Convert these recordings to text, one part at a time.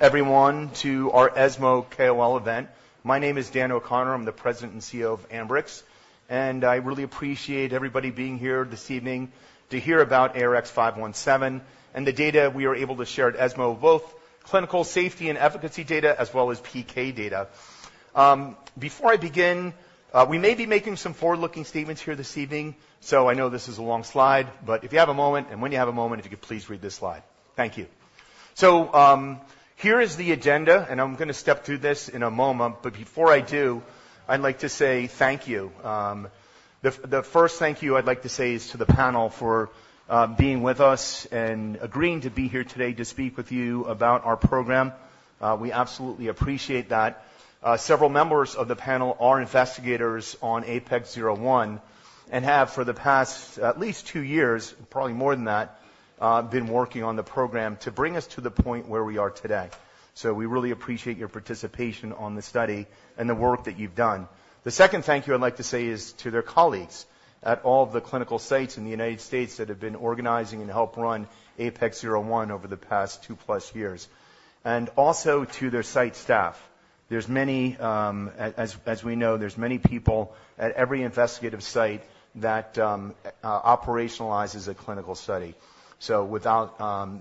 Everyone to our ESMO KOL event. My name is Dan O'Connor. I'm the President and CEO of Ambrx, and I really appreciate everybody being here this evening to hear about ARX517 and the data we were able to share at ESMO, both clinical safety and efficacy data, as well as PK data. Before I begin, we may be making some forward-looking statements here this evening, so I know this is a long slide, but if you have a moment, and when you have a moment, if you could please read this slide. Thank you. So, here is the agenda, and I'm gonna step through this in a moment, but before I do, I'd like to say thank you. The first thank you I'd like to say is to the panel for being with us and agreeing to be here today to speak with you about our program. We absolutely appreciate that. Several members of the panel are investigators on APEX-01 and have, for the past at least two years, probably more than that, been working on the program to bring us to the point where we are today. So we really appreciate your participation on the study and the work that you've done. The second thank you I'd like to say is to their colleagues at all the clinical sites in the United States that have been organizing and help run APEX-01 over the past two-plus years. And also to their site staff. There's many... As we know, there's many people at every investigational site that operationalizes a clinical study. So without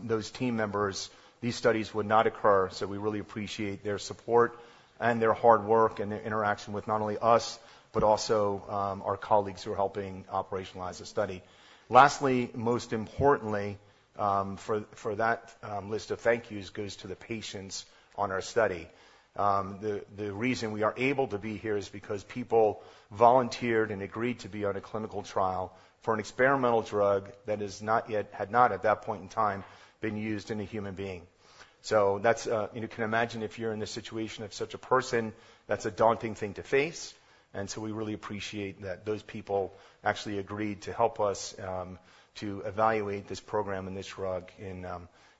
those team members, these studies would not occur, so we really appreciate their support and their hard work and their interaction with not only us, but also our colleagues who are helping operationalize the study. Lastly, most importantly, for that list of thank yous goes to the patients on our study. The reason we are able to be here is because people volunteered and agreed to be on a clinical trial for an experimental drug that has not had, at that point in time, been used in a human being. So that's... You can imagine if you're in the situation of such a person, that's a daunting thing to face, and so we really appreciate that those people actually agreed to help us, to evaluate this program and this drug in,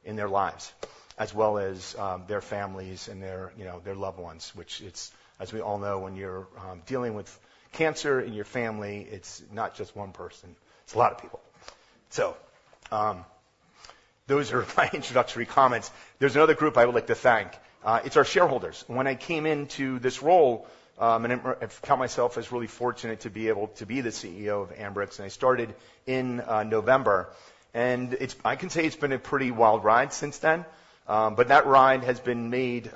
in their lives, as well as, their families and their, you know, their loved ones, which it's, as we all know, when you're, dealing with cancer in your family, it's not just one person, it's a lot of people. So, those are my introductory comments. There's another group I would like to thank. It's our shareholders. When I came into this role, I count myself as really fortunate to be able to be the CEO of Ambrx, and I started in, November, and it's. I can say it's been a pretty wild ride since then, but that ride has been made,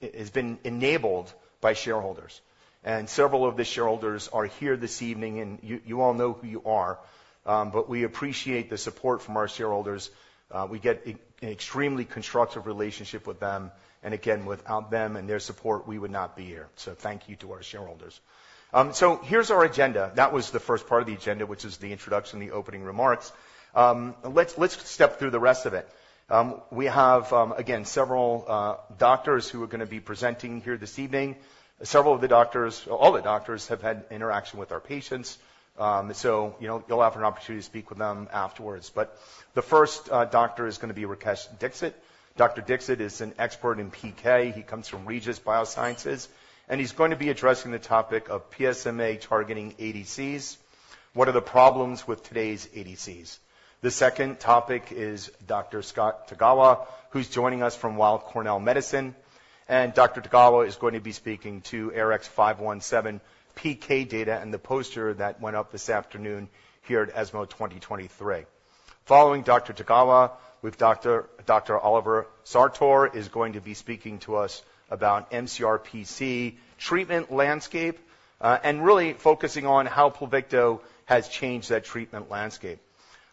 it has been enabled by shareholders. And several of the shareholders are here this evening, and you, you all know who you are, but we appreciate the support from our shareholders. We get an, an extremely constructive relationship with them, and again, without them and their support, we would not be here, so thank you to our shareholders. So here's our agenda. That was the first part of the agenda, which is the introduction, the opening remarks. Let's step through the rest of it. We have, again, several doctors who are gonna be presenting here this evening. Several of the doctors... All the doctors have had interaction with our patients, so, you know, you'll have an opportunity to speak with them afterwards. But the first doctor is gonna be Rakesh Dixit. Dr. Dixit is an expert in PK. He comes from Bionavigen, and he's going to be addressing the topic of PSMA targeting ADCs. What are the problems with today's ADCs? The second topic is Dr. Scott Tagawa, who's joining us from Weill Cornell Medicine, and Dr. Tagawa is going to be speaking to ARX517 PK data and the poster that went up this afternoon here at ESMO 2023. Following Dr. Tagawa, we've Dr. Oliver Sartor is going to be speaking to us about mCRPC treatment landscape, and really focusing on how Pluvicto has changed that treatment landscape.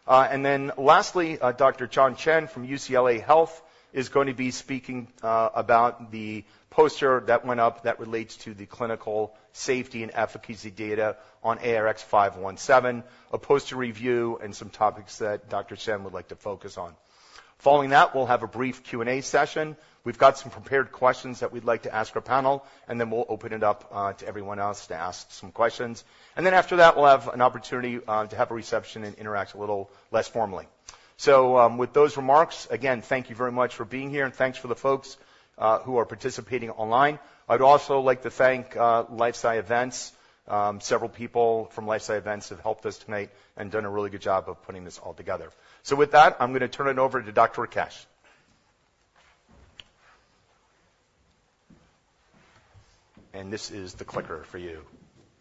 And then lastly, Dr. John Shen from UCLA Health is going to be speaking about the poster that went up that relates to the clinical safety and efficacy data on ARX517, a poster review, and some topics that Dr. Shen would like to focus on. Following that, we'll have a brief Q&A session. We've got some prepared questions that we'd like to ask our panel, and then we'll open it up to everyone else to ask some questions. And then after that, we'll have an opportunity to have a reception and interact a little less formally. So, with those remarks, again, thank you very much for being here, and thanks for the folks who are participating online. I'd also like to thank LifeSci Events. Several people from LifeSci Events have helped us tonight and done a really good job of putting this all together. So with that, I'm gonna turn it over to Dr. Rakesh. And this is the clicker for you.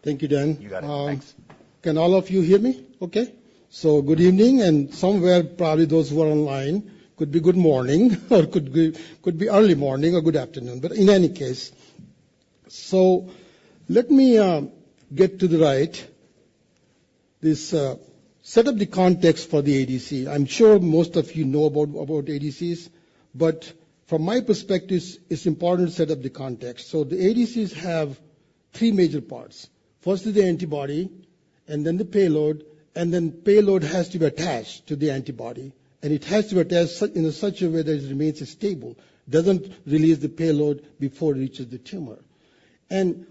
Thank you, Dan. You got it. Thanks. Can all of you hear me okay? So good evening, and somewhere, probably those who are online, could be good morning or could be early morning or good afternoon. But in any case... So let me set up the context for the ADC. I'm sure most of you know about ADCs, but from my perspective, it's important to set up the context. So the ADCs have three major parts. First is the antibody, and then the payload, and then payload has to be attached to the antibody, and it has to attach in such a way that it remains stable, doesn't release the payload before it reaches the tumor.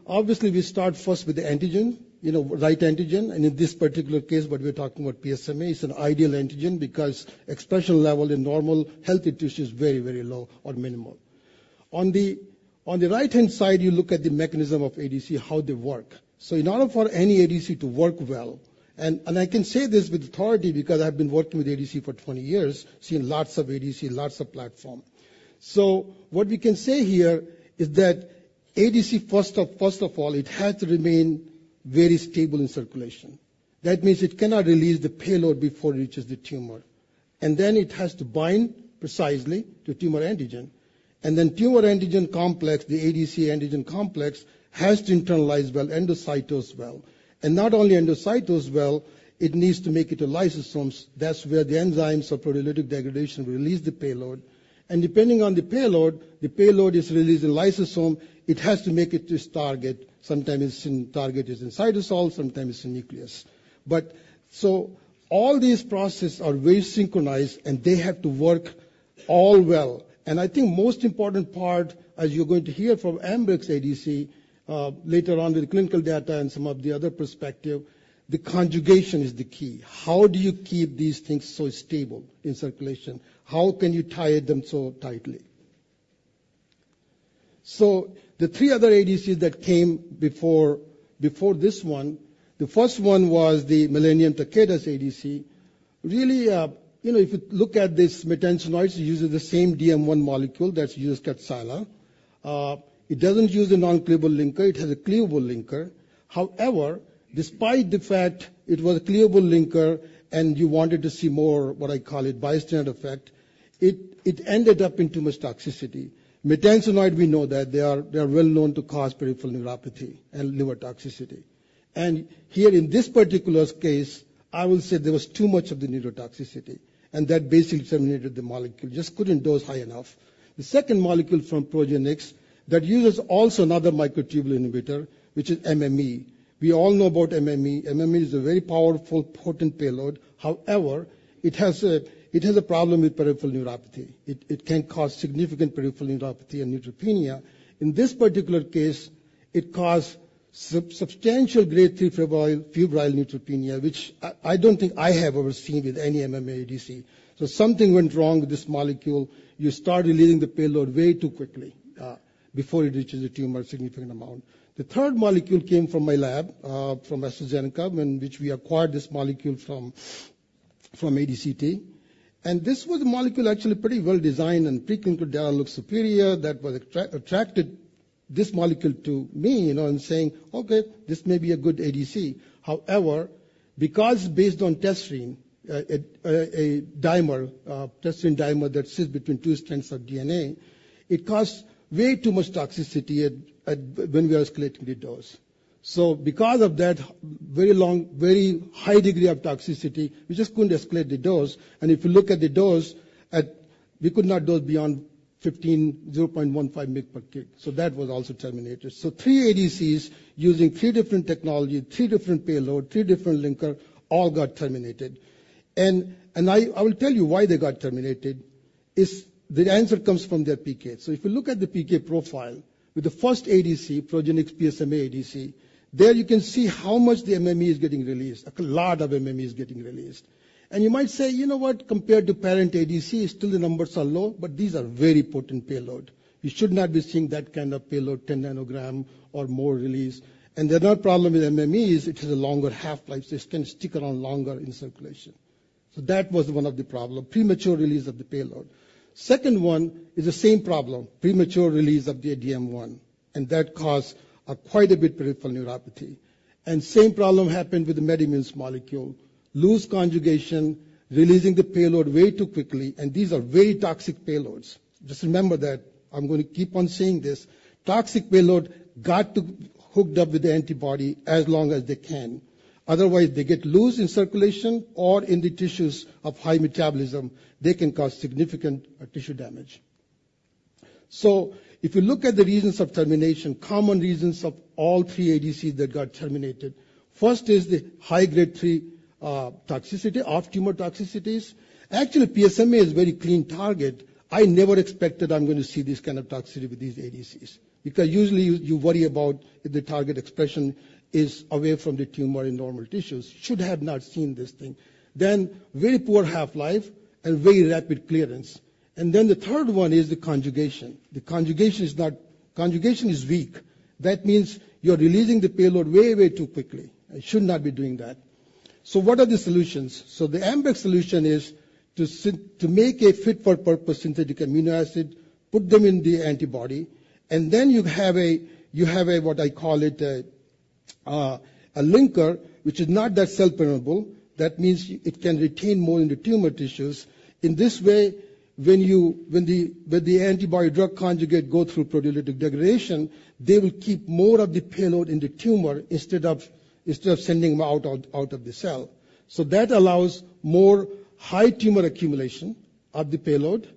Obviously, we start first with the antigen, you know, right antigen, and in this particular case, what we're talking about, PSMA. It's an ideal antigen because expression level in normal, healthy tissue is very, very low or minimal. On the right-hand side, you look at the mechanism of ADC, how they work. So in order for any ADC to work well, I can say this with authority because I've been working with ADC for 20 years, seen lots of ADC, lots of platform. So what we can say here is that ADC, first of all, it has to remain very stable in circulation. That means it cannot release the payload before it reaches the tumor, and then it has to bind precisely to tumor antigen. And then tumor-antigen complex, the ADC antigen complex, has to internalize well, endocytose well. And not only endocytose well, it needs to make it to lysosomes. That's where the enzymes of proteolytic degradation release the payload, and depending on the payload, the payload is released in lysosome. It has to make it to its target. Sometimes it's in target, it's in cytosol, sometimes it's in nucleus. But so all these processes are very synchronized, and they have to work all well. I think most important part, as you're going to hear from Ambrx's ADC later on in the clinical data and some of the other perspective, the conjugation is the key. How do you keep these things so stable in circulation? How can you tie them so tightly? So the three other ADCs that came before this one, the first one was the Millennium-Takeda's ADC. Really, you know, if you look at this maytansinoid, it uses the same DM1 molecule that's used at Kadcyla. It doesn't use a non-cleavable linker. It has a cleavable linker. However, despite the fact it was a cleavable linker, and you wanted to see more, what I call it, bystander effect, it ended up in too much toxicity. Maytansinoid, we know that they are well known to cause peripheral neuropathy and liver toxicity. And here in this particular case, I will say there was too much of the neurotoxicity, and that basically terminated the molecule, just couldn't dose high enough. The second molecule from Progenics, that uses also another microtubule inhibitor, which is MMAE. We all know about MMAE. MMAE is a very powerful, potent payload. However, it has a problem with peripheral neuropathy. It can cause significant peripheral neuropathy and neutropenia. In this particular case, it caused substantial Grade 3 febrile neutropenia, which I don't think I have ever seen with any MMAE ADC. So something went wrong with this molecule. You start releasing the payload way too quickly before it reaches a tumor, significant amount. The third molecule came from my lab from AstraZeneca, in which we acquired this molecule from ADCT. And this was a molecule actually pretty well-designed and preclinical data looks superior. That attracted this molecule to me, you know, and saying, okay, this may be a good ADC. However, because based on tesirine, a dimer, tesirine dimer that sits between two strands of DNA, it caused way too much toxicity at when we are escalating the dose. So because of that very long, very high degree of toxicity, we just couldn't escalate the dose. And if you look at the dose at—we could not dose beyond, 0.15 mg per kg, so that was also terminated. So three ADCs, using three different technology, three different payload, three different linker, all got terminated. And I will tell you why they got terminated, is the answer comes from their PK. So if you look at the PK profile with the first ADC, Progenics PSMA ADC, there you can see how much the MMAE is getting released. A lot of MMAE is getting released. And you might say, you know what? Compared to parent ADC, still the numbers are low, but these are very potent payload. You should not be seeing that kind of payload, 10 nanogram or more release. And the other problem with MMAE is it has a longer half-life, so it can stick around longer in circulation. So that was one of the problem, premature release of the payload. Second one is the same problem, premature release of the DM1, and that caused quite a bit peripheral neuropathy. And same problem happened with the MedImmune's molecule. Loose conjugation, releasing the payload way too quickly, and these are very toxic payloads. Just remember that I'm going to keep on saying this, toxic payload got to hooked up with the antibody as long as they can. Otherwise, they get loose in circulation or in the tissues of high metabolism, they can cause significant tissue damage. So if you look at the reasons of termination, common reasons of all three ADCs that got terminated. First is the Grade 3 toxicity, off-tumor toxicities. Actually, PSMA is very clean target. I never expected I'm going to see this kind of toxicity with these ADCs, because usually you, you worry about if the target expression is away from the tumor in normal tissues. Should have not seen this thing. Then very poor half-life and very rapid clearance. And then the third one is the conjugation. The conjugation is not-- conjugation is weak. That means you're releasing the payload way, way too quickly, and should not be doing that. So what are the solutions? So the Ambrx solution is to make a fit-for-purpose synthetic amino acid, put them in the antibody, and then you have a, what I call it, a linker, which is not that cell permeable. That means it can retain more in the tumor tissues. In this way, when the antibody-drug conjugate go through proteolytic degradation, they will keep more of the payload in the tumor instead of sending them out of the cell. So that allows more high tumor accumulation of the payload,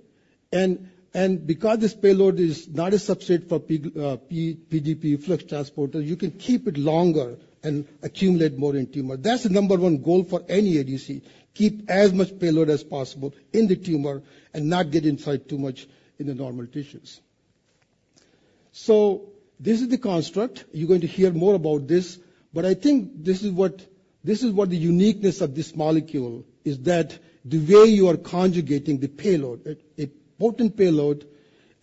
and because this payload is not a substrate for P-gp efflux transporter, you can keep it longer and accumulate more in tumor. That's the number one goal for any ADC, keep as much payload as possible in the tumor and not get inside too much in the normal tissues. So this is the construct. You're going to hear more about this, but I think this is what, this is what the uniqueness of this molecule, is that the way you are conjugating the payload, a potent payload,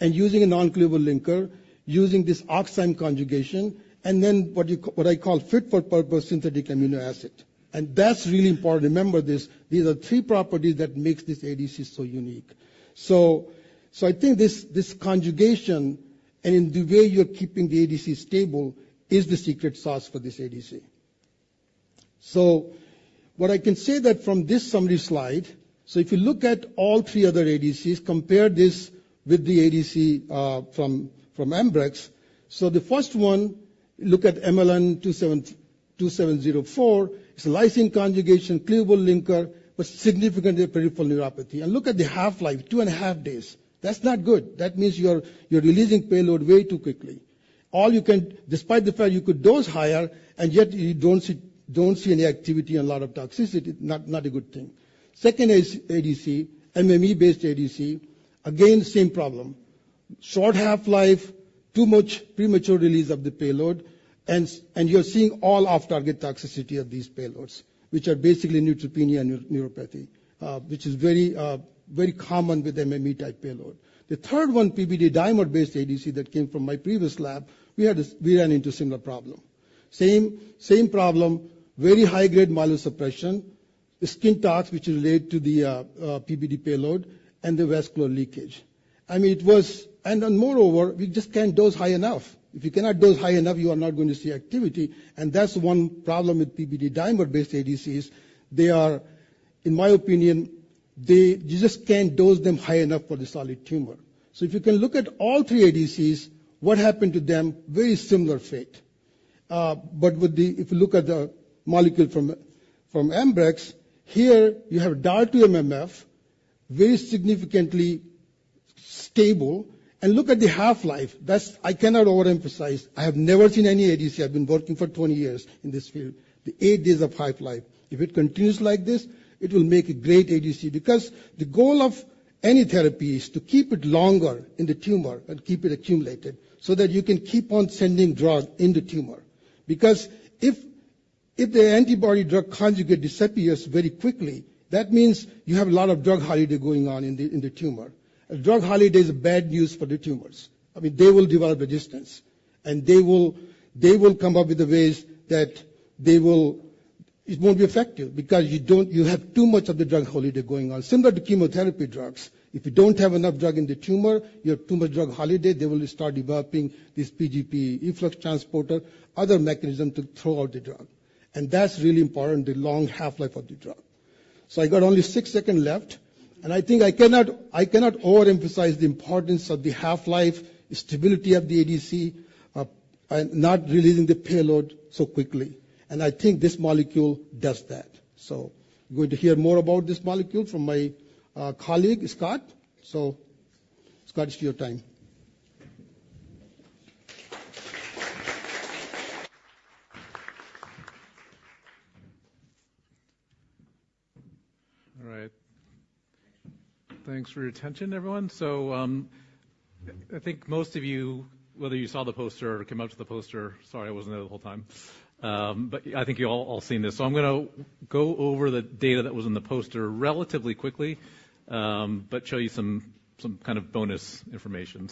and using a non-cleavable linker, using this oxime conjugation, and then what I call fit-for-purpose synthetic amino acid. And that's really important. Remember this, these are three properties that makes this ADC so unique. So, so I think this, this conjugation and in the way you're keeping the ADC stable is the secret sauce for this ADC. So what I can say that from this summary slide, so if you look at all three other ADCs, compare this with the ADC from Ambrx. So the first one, look at MLN2704, it's a lysine conjugation, cleavable linker, but significantly peripheral neuropathy. And look at the half-life, 2.5 days. That's not good. That means you're releasing payload way too quickly. All you can... Despite the fact you could dose higher, and yet you don't see any activity and a lot of toxicity, not a good thing. Second is ADC, MMAE-based ADC. Again, same problem, short half-life, too much premature release of the payload, and you're seeing all off-target toxicity of these payloads, which are basically neutropenia and neuropathy, which is very, very common with MMAE-type payload. The third one, PBD dimer-based ADC that came from my previous lab, we had this, we ran into a similar problem. Same problem, very high-grade myelosuppression, the skin toxicity, which is related to the PBD payload and the vascular leakage. I mean, it was... Moreover, we just can't dose high enough. If you cannot dose high enough, you are not going to see activity, and that's one problem with PBD dimer-based ADCs. They are, in my opinion, they just can't dose them high enough for the solid tumor. So if you can look at all three ADCs, what happened to them, very similar fate. But with the. If you look at the molecule from Ambrx, here you have DAR 2 MMAF, very significantly stable. And look at the half-life. That's. I cannot overemphasize. I have never seen any ADC. I've been working for 20 years in this field. The 8 days of half-life. If it continues like this, it will make a great ADC, because the goal of any therapy is to keep it longer in the tumor and keep it accumulated, so that you can keep on sending drugs in the tumor. Because if, if the antibody-drug conjugate disappears very quickly, that means you have a lot of drug holiday going on in the, in the tumor. A drug holiday is bad news for the tumors. I mean, they will develop a distance, and they will, they will come up with the ways that they will. It won't be effective because you don't. You have too much of the drug holiday going on. Similar to chemotherapy drugs, if you don't have enough drug in the tumor, you have too much drug holiday, they will start developing this P-gp efflux transporter, other mechanism to throw out the drug. And that's really important, the long half-life of the drug. So I got only 6 seconds left, and I think I cannot, I cannot overemphasize the importance of the half-life, stability of the ADC, and not releasing the payload so quickly. And I think this molecule does that. So you're going to hear more about this molecule from my colleague, Scott. So Scott, it's your time. All right. Thanks for your attention, everyone. I think most of you, whether you saw the poster or came up to the poster, sorry, I wasn't there the whole time, but I think you've all, all seen this. I'm gonna go over the data that was in the poster relatively quickly, but show you some, some kind of bonus information.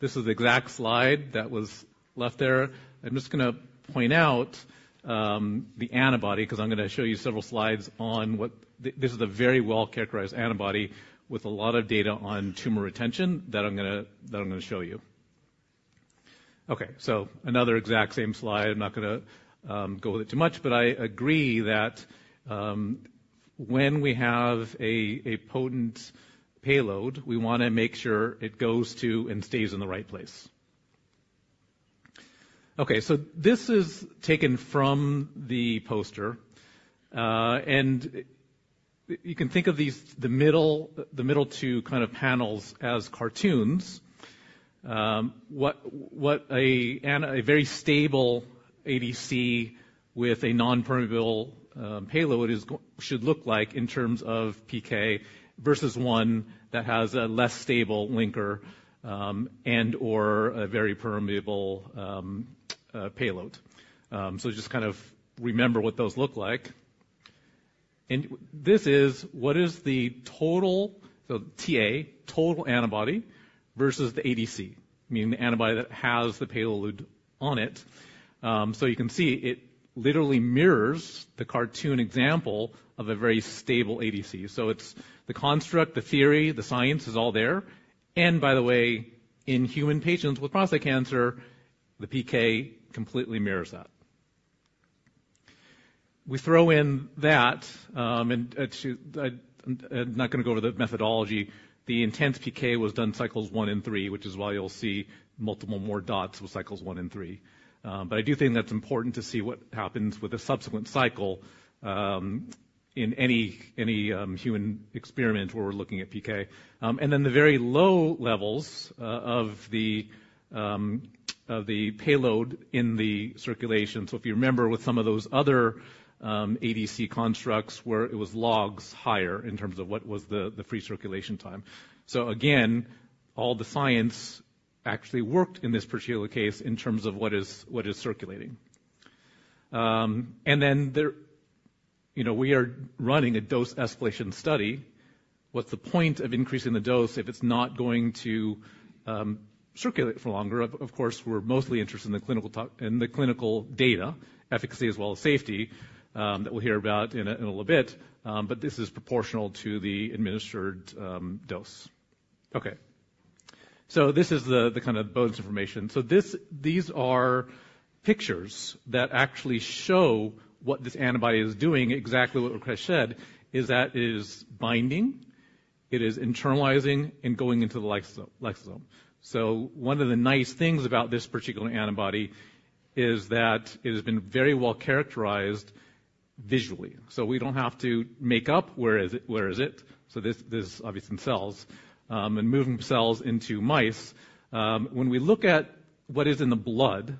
This is the exact slide that was left there. I'm just gonna point out the antibody, because I'm gonna show you several slides on what... This, this is a very well-characterized antibody with a lot of data on tumor retention that I'm gonna, that I'm gonna show you. Okay, another exact same slide. I'm not gonna go with it too much, but I agree that when we have a potent payload, we wanna make sure it goes to and stays in the right place. Okay, so this is taken from the poster, and you can think of these, the middle two kind of panels as cartoons. What a very stable ADC with a non-permeable payload should look like in terms of PK, versus one that has a less stable linker and/or a very permeable payload. So just kind of remember what those look like. And this is what is the total TA, total antibody versus the ADC, meaning the antibody that has the payload on it. So you can see it literally mirrors the cartoon example of a very stable ADC. So it's the construct, the theory, the science is all there. By the way, in human patients with prostate cancer, the PK completely mirrors that. We throw in that, and I'm not gonna go to the methodology. The intense PK was done cycles one and three, which is why you'll see multiple more dots with cycles one and three. But I do think that's important to see what happens with the subsequent cycle, in any human experiment where we're looking at PK. And then the very low levels of the payload in the circulation. So if you remember, with some of those other ADC constructs, where it was logs higher in terms of the free circulation time. So again, all the science actually worked in this particular case in terms of what is circulating. And then there, you know, we are running a dose escalation study. What's the point of increasing the dose if it's not going to circulate for longer? Of course, we're mostly interested in the clinical talk, in the clinical data, efficacy as well as safety, that we'll hear about in a little bit. But this is proportional to the administered dose. Okay. So this is the kind of bonus information. So this, these are pictures that actually show what this antibody is doing, exactly what Rakesh said, is that it is binding, it is internalizing and going into the lysosome, lysosome. So one of the nice things about this particular antibody is that it has been very well characterized visually. So we don't have to make up where is it, where is it? So this is obvious in cells and moving cells into mice. When we look at what is in the blood,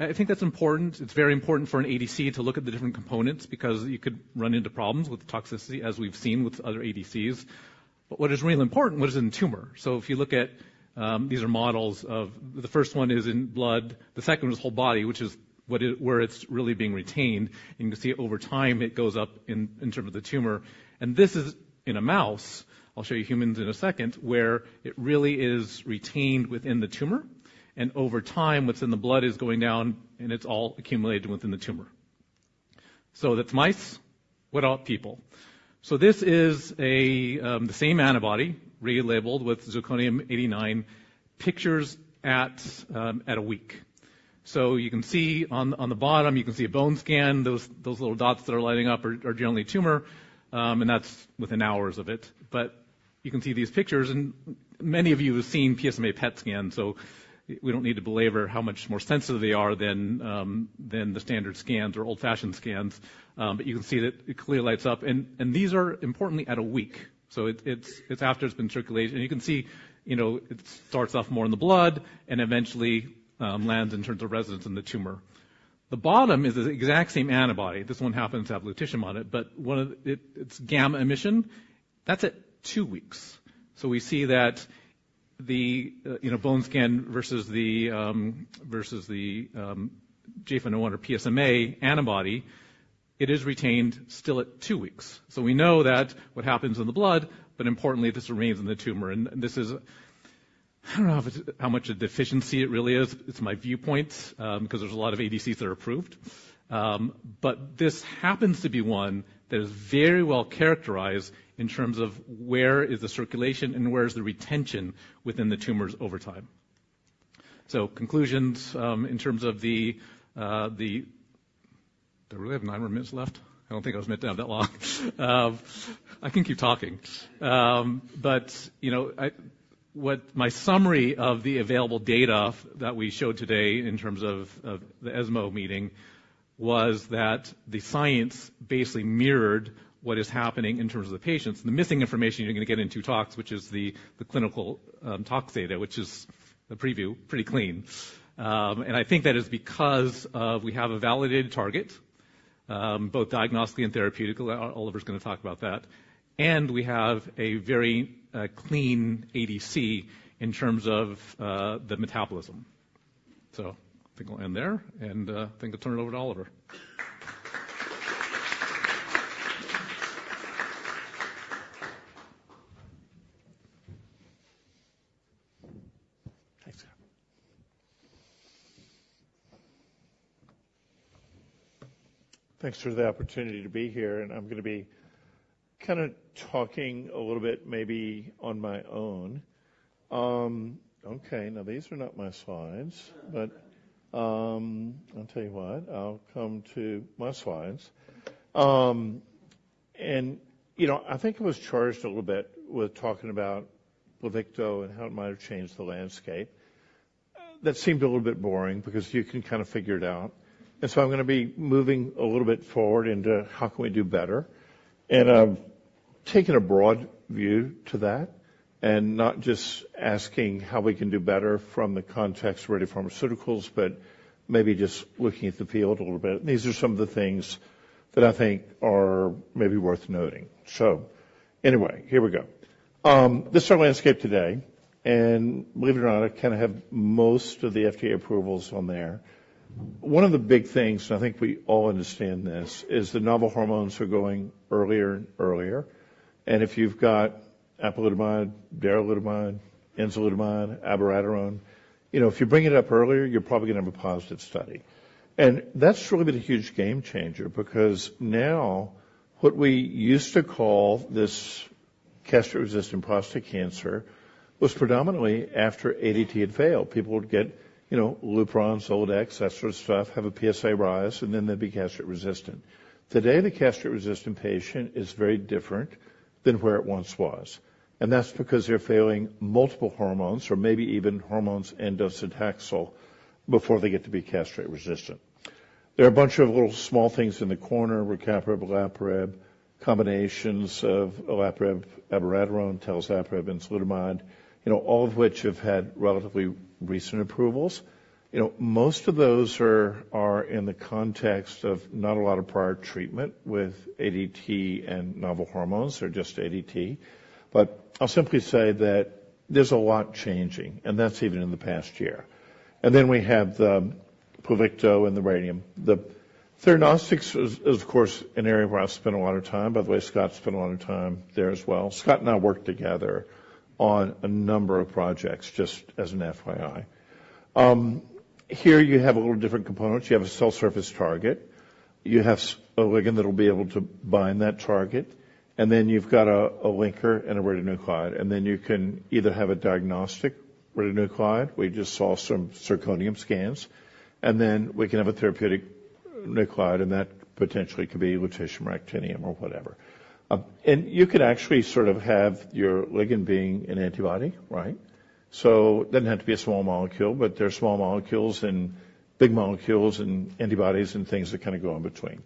I think that's important. It's very important for an ADC to look at the different components because you could run into problems with toxicity, as we've seen with other ADCs. But what is really important, what is in the tumor? So if you look at... These are models of the first one is in blood, the second one is whole body, which is what it, where it's really being retained. You can see over time, it goes up in terms of the tumor. And this is in a mouse. I'll show you humans in a second, where it really is retained within the tumor, and over time, what's in the blood is going down, and it's all accumulated within the tumor. So that's mice. What about people? So this is the same antibody relabeled with Zirconium-89 pictures at a week. So you can see on the bottom, you can see a bone scan. Those little dots that are lighting up are generally tumor, and that's within hours of it. But you can see these pictures, and many of you have seen PSMA PET scans, so we don't need to belabor how much more sensitive they are than the standard scans or old-fashioned scans. But you can see that it clearly lights up, and these are importantly at a week, so it's after it's been circulating. You can see, you know, it starts off more in the blood and eventually lands in terms of residence in the tumor. The bottom is the exact same antibody. This one happens to have lutetium on it, but one of... It, it's gamma emission. That's at two weeks. So we see that the, you know, bone scan versus the, versus the, Ga-68 or PSMA antibody, it is retained still at two weeks. So we know that what happens in the blood, but importantly, this remains in the tumor, and this is, I don't know if it's, how much a deficiency it really is. It's my viewpoint, 'cause there's a lot of ADCs that are approved. But this happens to be one that is very well characterized in terms of where is the circulation and where is the retention within the tumors over time. So conclusions, in terms of the... But, you know, I-- what my summary of the available data that we showed today in terms of, of the ESMO meeting was that the science basically mirrored what is happening in terms of the patients. The missing information you're gonna get in two talks, which is the, the clinical, tox data, which is the preview, pretty clean. And I think that is because of we have a validated target, both diagnostically and therapeutically. Oliver's going to talk about that. And we have a very, clean ADC in terms of, the metabolism. So I think I'll end there, and, I think I'll turn it over to Oliver. Thanks. Thanks for the opportunity to be here, and I'm going to be kind of talking a little bit, maybe on my own. Okay, now these are not my slides—but, I'll tell you what, I'll come to my slides. You know, I think I was charged a little bit with talking about Pluvicto and how it might have changed the landscape. That seemed a little bit boring because you can kind of figure it out. So I'm going to be moving a little bit forward into how can we do better? I've taken a broad view to that, and not just asking how we can do better from the context of radiopharmaceuticals, but maybe just looking at the field a little bit. These are some of the things that I think are maybe worth noting. So anyway, here we go. This is our landscape today, and believe it or not, I kind of have most of the FDA approvals on there. One of the big things, and I think we all understand this, is the novel hormones are going earlier and earlier. If you've got apalutamide, darolutamide, enzalutamide, abiraterone, you know, if you bring it up earlier, you're probably going to have a positive study. That's really been a huge game changer because now what we used to call this castration-resistant prostate cancer was predominantly after ADT had failed. People would get, you know, Lupron, Zoladex, that sort of stuff, have a PSA rise, and then they'd be castration-resistant. Today, the castration-resistant patient is very different than where it once was, and that's because they're failing multiple hormones or maybe even hormones and docetaxel before they get to be castration-resistant. There are a bunch of little small things in the corner, where capivasertib, olaparib, combinations of olaparib, abiraterone, talazoparib, enzalutamide, you know, all of which have had relatively recent approvals. You know, most of those are in the context of not a lot of prior treatment with ADT and novel hormones, or just ADT. But I'll simply say that there's a lot changing, and that's even in the past year. And then we have the Pluvicto and the Radium-223. The theranostics is of course an area where I've spent a lot of time. By the way, Scott spent a lot of time there as well. Scott and I worked together on a number of projects, just as an FYI. Here you have a little different components. You have a cell surface target, you have a ligand that'll be able to bind that target, and then you've got a linker and a radionuclide, and then you can either have a diagnostic radionuclide. We just saw some zirconium scans, and then we can have a therapeutic nuclide, and that potentially could be lutetium, actinium, or whatever. You could actually sort of have your ligand being an antibody, right? So it doesn't have to be a small molecule, but they're small molecules and big molecules and antibodies and things that kind of go in between.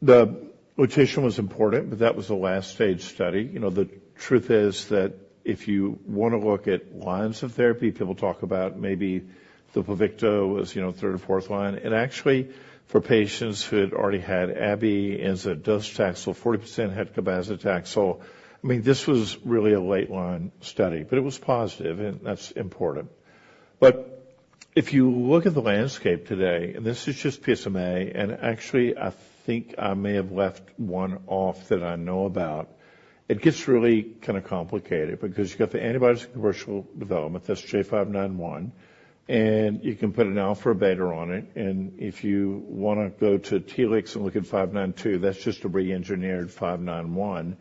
The lutetium was important, but that was the last stage study. You know, the truth is that if you wanna look at lines of therapy, people talk about maybe the Pluvicto was, you know, third or fourth line. Actually, for patients who had already had Abi and docetaxel, 40% had cabazitaxel. I mean, this was really a late-line study, but it was positive, and that's important. But if you look at the landscape today, and this is just PSMA, and actually, I think I may have left one off that I know about. It gets really kinda complicated because you've got the antibody commercial development, that's J591, and you can put an alpha or beta on it. And if you wanna go to Telix and look at J592, that's just a reengineered 591,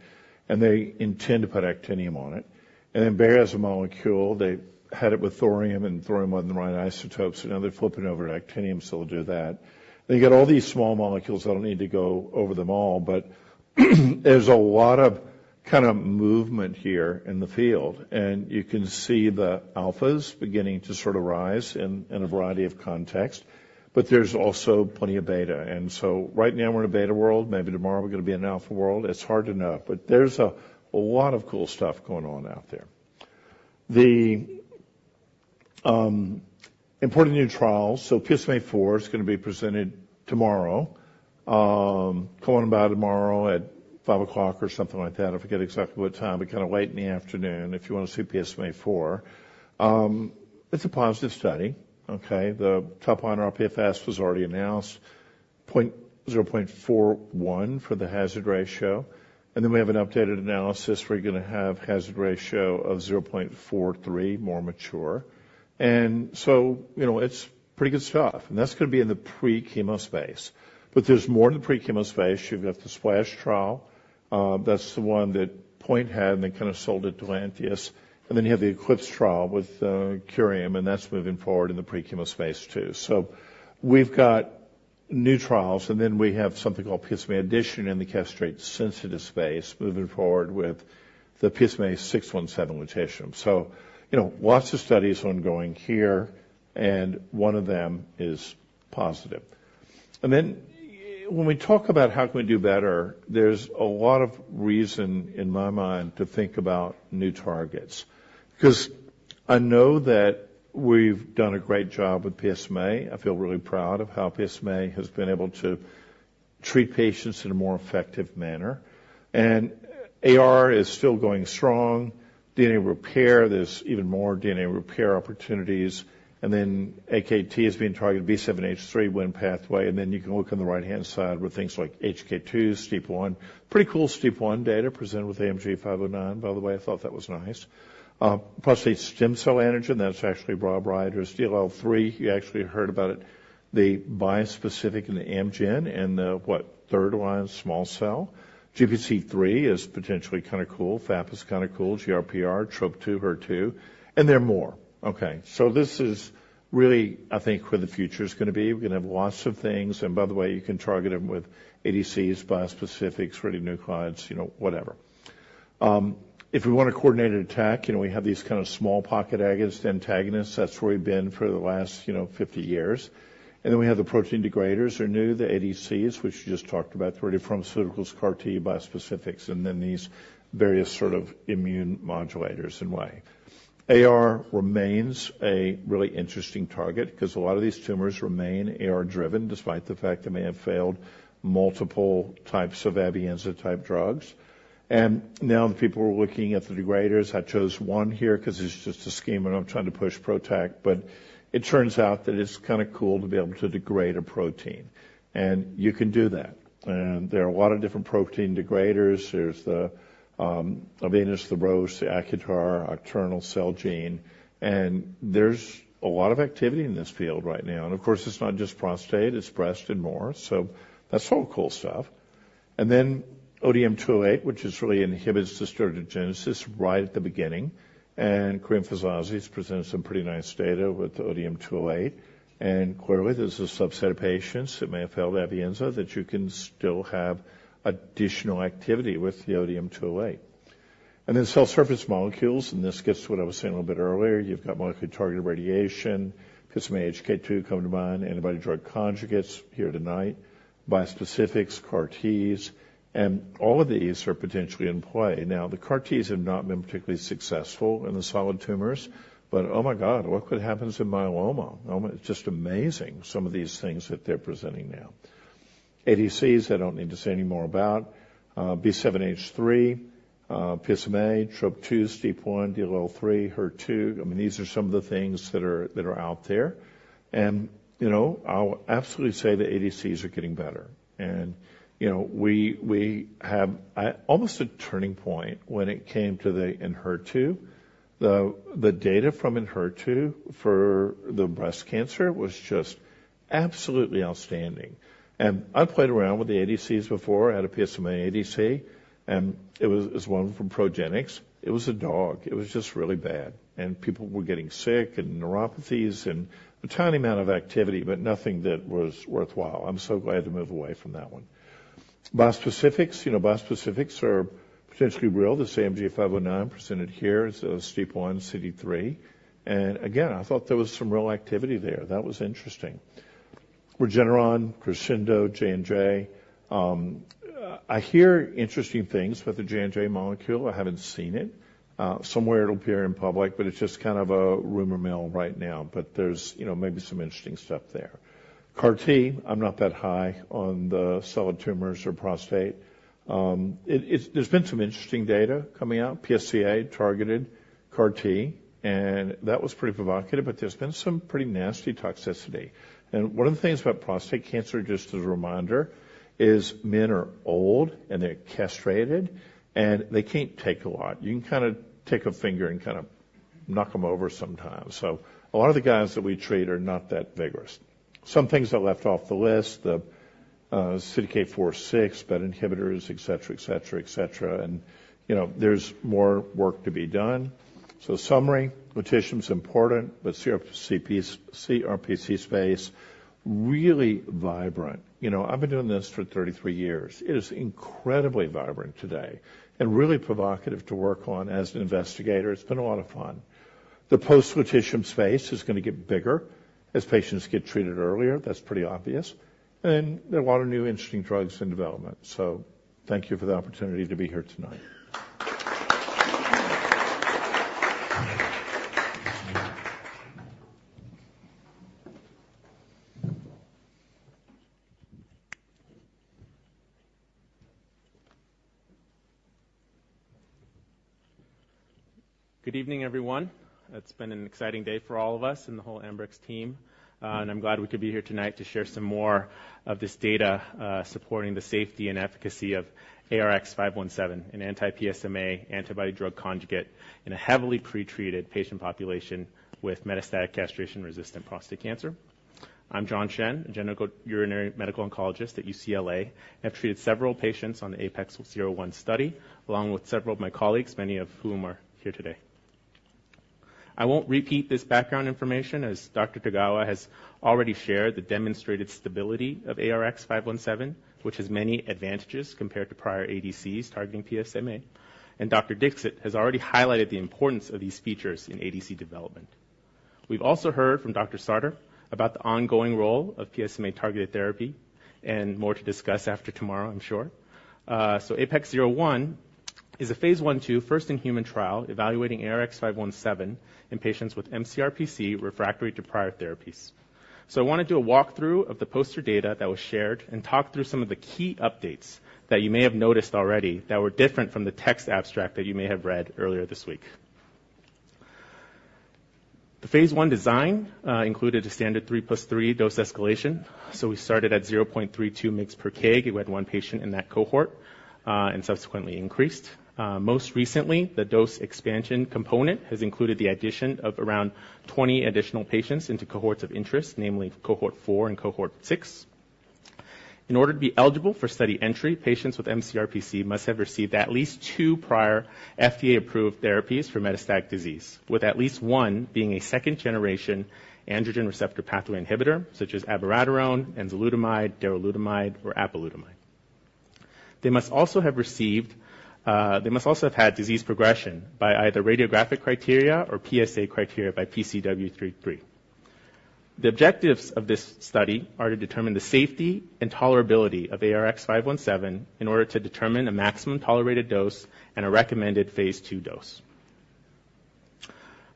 and they intend to put actinium on it. And then Bayer has a molecule. They had it with thorium, and thorium wasn't the right isotope, so now they're flipping over to actinium, so we'll do that. They get all these small molecules. I don't need to go over them all, but there's a lot of kind of movement here in the field, and you can see the alphas beginning to sort of rise in, in a variety of contexts, but there's also plenty of beta. So right now, we're in a beta world. Maybe tomorrow, we're gonna be in an alpha world. It's hard to know, but there's a, a lot of cool stuff going on out there. The important new trials, so PSMAfore is gonna be presented tomorrow, coming by tomorrow at 5:00 P.M. or something like that. I forget exactly what time, but kinda late in the afternoon, if you wanna see PSMAfore. It's a positive study, okay? The top line rPFS was already announced, 0.41 for the hazard ratio, and then we have an updated analysis where you're gonna have hazard ratio of 0.43, more mature. You know, it's pretty good stuff, and that's gonna be in the pre-chemo space. But there's more to the pre-chemo space. You've got the SPLASH trial. That's the one that POINT had, and they kinda sold it to Lantheus. And then you have the ECLIPSE trial with Curium, and that's moving forward in the pre-chemo space, too. So we've got new trials, and then we have something called PSMA Addition in the castrate-sensitive space, moving forward with the PSMA-617 lutetium. So, you know, lots of studies ongoing here, and one of them is positive. And then when we talk about how can we do better, there's a lot of reason in my mind to think about new targets, because I know that we've done a great job with PSMA. I feel really proud of how PSMA has been able to treat patients in a more effective manner, and AR is still going strong. DNA repair, there's even more DNA repair opportunities. And then AKT is being targeted, B7-H3 Wnt pathway, and then you can look on the right-hand side with things like hK2, STEAP1. Pretty cool STEAP1 data presented with AMG 509, by the way. I thought that was nice. Prostate stem cell antigen, that's actually Rob Reiter's DLL3. You actually heard about it, the bispecific and the Amgen, and the what? Third line, small cell. GPC3 is potentially kinda cool. FAP is kinda cool. GRPR, TROP2, HER2, and there are more. Okay, so this is really, I think, where the future is gonna be. We're gonna have lots of things, and by the way, you can target them with ADCs, bispecifics, radionuclides, you know, whatever. If we want a coordinated attack, you know, we have these kind of small pocket agonist, antagonists. That's where we've been for the last, you know, 50 years. And then we have the protein degraders are new, the ADCs, which you just talked about, the radiopharmaceuticals, CAR T, bispecifics, and then these various sort of immune modulators in way. AR remains a really interesting target 'cause a lot of these tumors remain AR-driven, despite the fact they may have failed multiple types of abiraterone-type drugs. Now the people are looking at the degraders. I chose one here because it's just a scheme, and I'm trying to push PROTAC, but it turns out that it's kind of cool to be able to degrade a protein, and you can do that. There are a lot of different protein degraders. There's the Arvinas, the Roche, the Accutar, novel Celgene, and there's a lot of activity in this field right now. And of course, it's not just prostate, it's breast and more. So that's all cool stuff. And then ODM-208, which really inhibits steroidogenesis right at the beginning, and Karim Fizazi has presented some pretty nice data with the ODM-208. And clearly, there's a subset of patients that may have failed Abiraterone, that you can still have additional activity with the ODM-208. Then cell surface molecules, and this gets to what I was saying a little bit earlier. You've got molecular targeted radiation, PSMA, hK2 come to mind, antibody drug conjugates here tonight, bispecifics, CAR-Ts, and all of these are potentially in play. Now, the CAR-Ts have not been particularly successful in the solid tumors, but oh, my God, look what happens in myeloma. It's just amazing some of these things that they're presenting now. ADCs, I don't need to say any more about. B7-H3, PSMA, TROP2, STEAP1, DLL3, HER2. I mean, these are some of the things that are, that are out there. And, you know, I'll absolutely say the ADCs are getting better. And, you know, we have almost a turning point when it came to the Enhertu. The data from Enhertu for the breast cancer was just absolutely outstanding. I played around with the ADCs before, I had a PSMA ADC, and it was, it was one from Progenics. It was a dog. It was just really bad, and people were getting sick, and neuropathies and a tiny amount of activity, but nothing that was worthwhile. I'm so glad to move away from that one. Bispecifics. You know, bispecifics are potentially real. The AMG 509 presented here is a STEAP1, CD3, and again, I thought there was some real activity there. That was interesting. Regeneron, Crescendo, J&J. I hear interesting things about the J&J molecule. I haven't seen it. Somewhere it'll appear in public, but it's just kind of a rumor mill right now. But there's, you know, maybe some interesting stuff there. CAR-T, I'm not that high on the solid tumors or prostate. There's been some interesting data coming out, PSCA-targeted CAR T, and that was pretty provocative, but there's been some pretty nasty toxicity. And one of the things about prostate cancer, just as a reminder, is men are old, and they're castrated, and they can't take a lot. You can kind of take a finger and kind of knock them over sometimes. So a lot of the guys that we treat are not that vigorous. Some things I left off the list, the CDK4/6, BET inhibitors, et cetera, et cetera, et cetera. And, you know, there's more work to be done. So summary, mutation is important, but CRPC, CRPC space, really vibrant. You know, I've been doing this for 33 years. It is incredibly vibrant today and really provocative to work on as an investigator. It's been a lot of fun. The post-lutetium space is going to get bigger as patients get treated earlier. That's pretty obvious. There are a lot of new, interesting drugs in development. Thank you for the opportunity to be here tonight. Good evening, everyone. It's been an exciting day for all of us and the whole Ambrx team, and I'm glad we could be here tonight to share some more of this data, supporting the safety and efficacy of ARX517, an anti-PSMA antibody drug conjugate, in a heavily pretreated patient population with metastatic castration-resistant prostate cancer. I'm John Shen, a General Urinary Medical Oncologist at UCLA. I've treated several patients on the APEX-01 study, along with several of my colleagues, many of whom are here today. I won't repeat this background information, as Dr. Tagawa has already shared the demonstrated stability of ARX517, which has many advantages compared to prior ADCs targeting PSMA, and Dr. Dixit has already highlighted the importance of these features in ADC development. We've also heard from Dr. Sartor about the ongoing role of PSMA-targeted therapy, and more to discuss after tomorrow, I'm sure. So APEX-01 is a Phase I/II first-in-human trial evaluating ARX517 in patients with mCRPC refractory to prior therapies. So I want to do a walkthrough of the poster data that was shared and talk through some of the key updates that you may have noticed already that were different from the text abstract that you may have read earlier this week. The Phase I design included a standard 3 + 3 dose escalation, so we started at 0.32 mgs per kg. We had one patient in that cohort, and subsequently increased. Most recently, the dose expansion component has included the addition of around 20 additional patients into cohorts of interest, namely Cohort 4 and Cohort 6. In order to be eligible for study entry, patients with mCRPC must have received at least two prior FDA-approved therapies for metastatic disease, with at least one being a second-generation androgen receptor pathway inhibitor, such as abiraterone, enzalutamide, darolutamide, or apalutamide. They must also have received, they must also have had disease progression by either radiographic criteria or PSA criteria by PCWG3. The objectives of this study are to determine the safety and tolerability of ARX517 in order to determine a maximum tolerated dose and a recommended Phase II dose.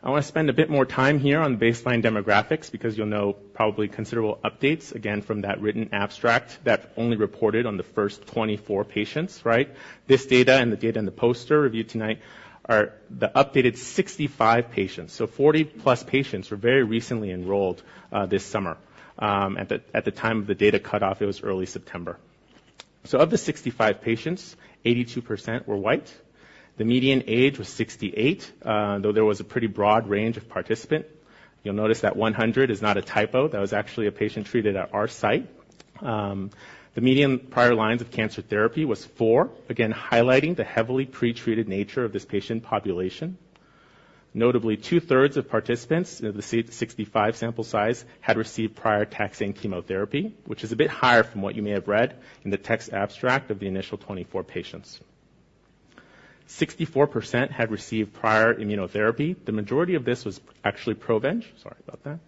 I want to spend a bit more time here on baseline demographics, because you'll know probably considerable updates, again, from that written abstract that only reported on the first 24 patients, right? This data and the data in the poster reviewed tonight are the updated 65 patients. So 40+ patients were very recently enrolled, this summer. At the time of the data cutoff, it was early September. So of the 65 patients, 82% were white. The median age was 68, though there was a pretty broad range of participant. You'll notice that 100 is not a typo. That was actually a patient treated at our site. The median prior lines of cancer therapy was four, again, highlighting the heavily pretreated nature of this patient population. Notably, two-thirds of participants, the 65 sample size, had received prior taxane chemotherapy, which is a bit higher from what you may have read in the text abstract of the initial 24 patients. 64% had received prior immunotherapy. The majority of this was actually Provenge. Sorry about that.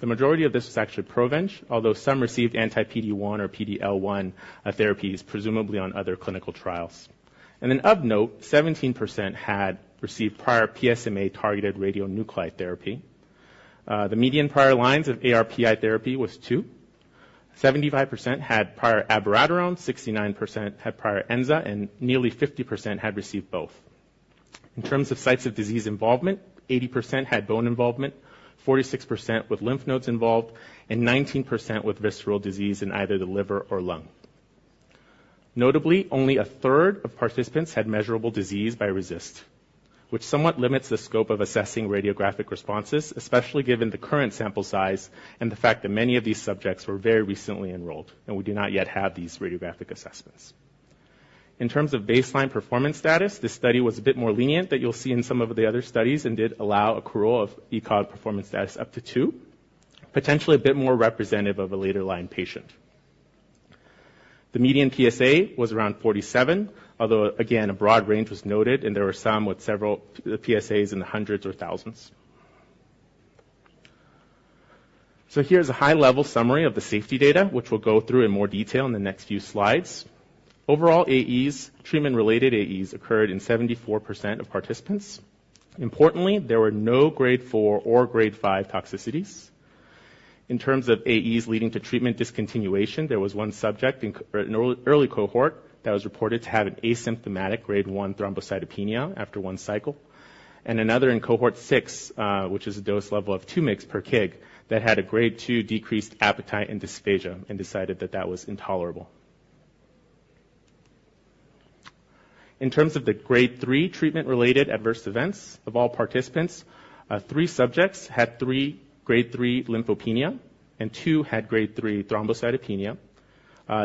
The majority of this was actually Provenge, although some received anti-PD-1 or PD-L1, therapies, presumably on other clinical trials. Of note, 17% had received prior PSMA-targeted radionuclide therapy. The median prior lines of ARPI therapy was 2. 75% had prior abiraterone, 69% had prior enzalutamide, and nearly 50% had received both. In terms of sites of disease involvement, 80% had bone involvement, 46% with lymph nodes involved, and 19% with visceral disease in either the liver or lung. Notably, only a third of participants had measurable disease by RECIST, which somewhat limits the scope of assessing radiographic responses, especially given the current sample size and the fact that many of these subjects were very recently enrolled, and we do not yet have these radiographic assessments. In terms of baseline performance status, this study was a bit more lenient than you'll see in some of the other studies and did allow Accrual of ECOG performance status up to 2, potentially a bit more representative of a later line patient. The median PSA was around 47, although again, a broad range was noted, and there were some with several PSAs in the hundreds or thousands. So here's a high-level summary of the safety data, which we'll go through in more detail in the next few slides. Overall, AEs, treatment-related AEs occurred in 74% of participants. Importantly, there were no Grade 4 or Grade 5 toxicities. In terms of AEs leading to treatment discontinuation, there was 1 subject in early cohort that was reported to have an asymptomatic Grade 1 thrombocytopenia after 1 cycle, and another in Cohort 6, which is a dose level of 2 mg per kg, that had a Grade 2 decreased appetite and dysphagia and decided that that was intolerable. In terms of the Grade 3 treatment-related adverse events, of all participants, three subjects had Grade 3 lymphopenia, and two had Grade 3 thrombocytopenia.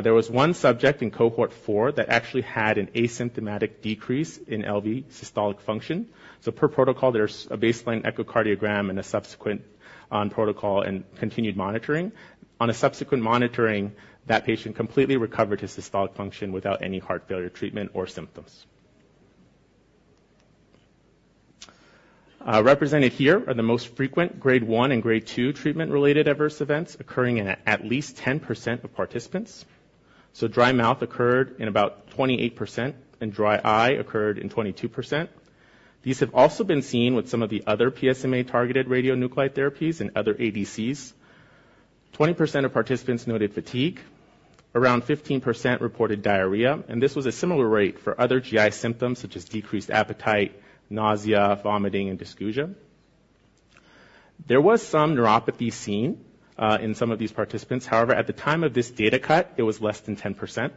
There was one subject in Cohort 4 that actually had an asymptomatic decrease in LV systolic function. So per protocol, there's a baseline echocardiogram and a subsequent on protocol and continued monitoring. On a subsequent monitoring, that patient completely recovered his systolic function without any heart failure, treatment, or symptoms. Represented here are the most frequent Grade 1 and Grade 2 treatment-related adverse events occurring in at least 10% of participants. So dry mouth occurred in about 28%, and dry eye occurred in 22%. These have also been seen with some of the other PSMA-targeted radionuclide therapies and other ADCs. 20% of participants noted fatigue. Around 15% reported diarrhea, and this was a similar rate for other GI symptoms, such as decreased appetite, nausea, vomiting, and dysgeusia. There was some neuropathy seen in some of these participants. However, at the time of this data cut, it was less than 10%.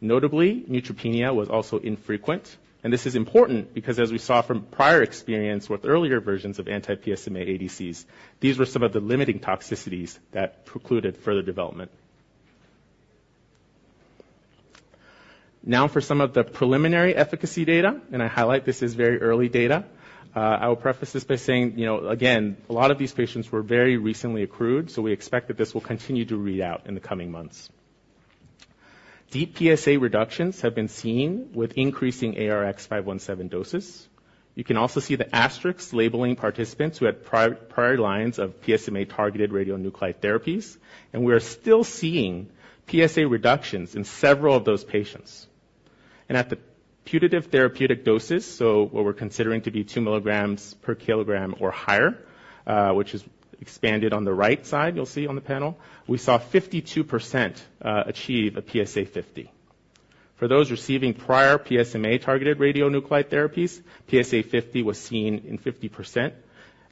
Notably, neutropenia was also infrequent, and this is important because, as we saw from prior experience with earlier versions of anti-PSMA ADCs, these were some of the limiting toxicities that precluded further development. Now for some of the preliminary efficacy data, and I highlight this is very early data. I will preface this by saying, you know, again, a lot of these patients were very recently accrued, so we expect that this will continue to read out in the coming months. Deep PSA reductions have been seen with increasing ARX517 doses. You can also see the asterisks labeling participants who had prior lines of PSMA-targeted radionuclide therapies, and we are still seeing PSA reductions in several of those patients. At the putative therapeutic doses, so what we're considering to be 2 mg per kg or higher, which is expanded on the right side, you'll see on the panel, we saw 52%, achieve a PSA50. For those receiving prior PSMA-targeted radionuclide therapies, PSA50 was seen in 50%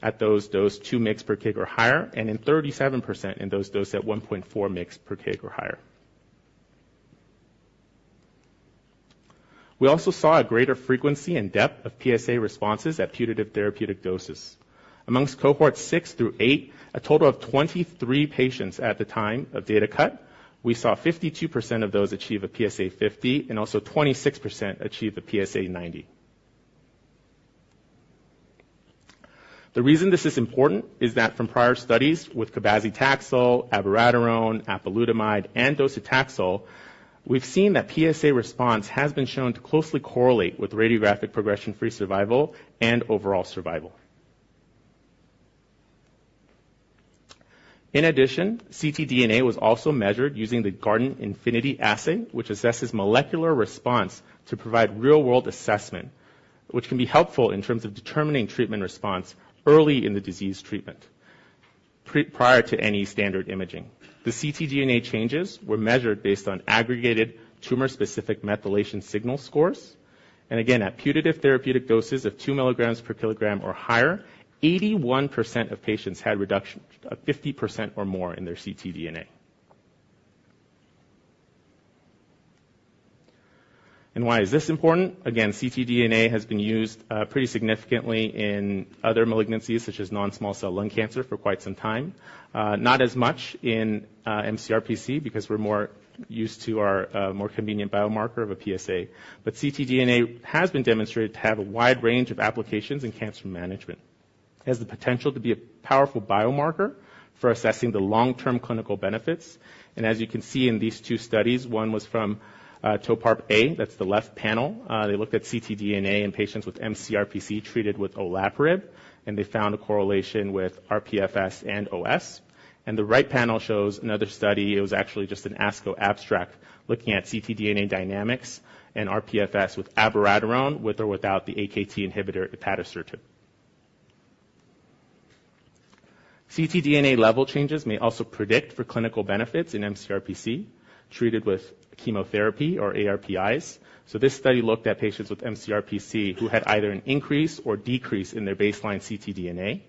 at those doses 2 mg per kg or higher, and in 37% in those dosed at 1.4 mg per kg or higher. We also saw a greater frequency and depth of PSA responses at putative therapeutic doses. Amongst Cohort 6 through 8, a total of 23 patients at the time of data cut, we saw 52% of those achieve a PSA50, and also 26% achieve a PSA90. The reason this is important is that from prior studies with cabazitaxel, abiraterone, apalutamide, and docetaxel, we've seen that PSA response has been shown to closely correlate with radiographic progression-free survival and overall survival. In addition, ctDNA was also measured using the Guardant Infinity assay, which assesses molecular response to provide real-world assessment, which can be helpful in terms of determining treatment response early in the disease treatment, prior to any standard imaging. The ctDNA changes were measured based on aggregated tumor-specific methylation signal scores. Again, at putative therapeutic doses of 2 mg per kg or higher, 81% of patients had reduction of 50% or more in their ctDNA. And why is this important? Again, ctDNA has been used pretty significantly in other malignancies, such as non-small cell lung cancer, for quite some time. Not as much in mCRPC because we're more used to our more convenient biomarker of a PSA. But ctDNA has been demonstrated to have a wide range of applications in cancer management has the potential to be a powerful biomarker for assessing the long-term clinical benefits. As you can see in these two studies, one was from, TOPARP-A, that's the left panel. They looked at ctDNA in patients with mCRPC treated with olaparib, and they found a correlation with RPFS and OS. And the right panel shows another study. It was actually just an ASCO abstract, looking at ctDNA dynamics and RPFS with Abiraterone, with or without the AKT inhibitor ipatasertib. CtDNA level changes may also predict for clinical benefits in mCRPC treated with chemotherapy or ARPIs. So this study looked at patients with mCRPC who had either an increase or decrease in their baseline ctDNA.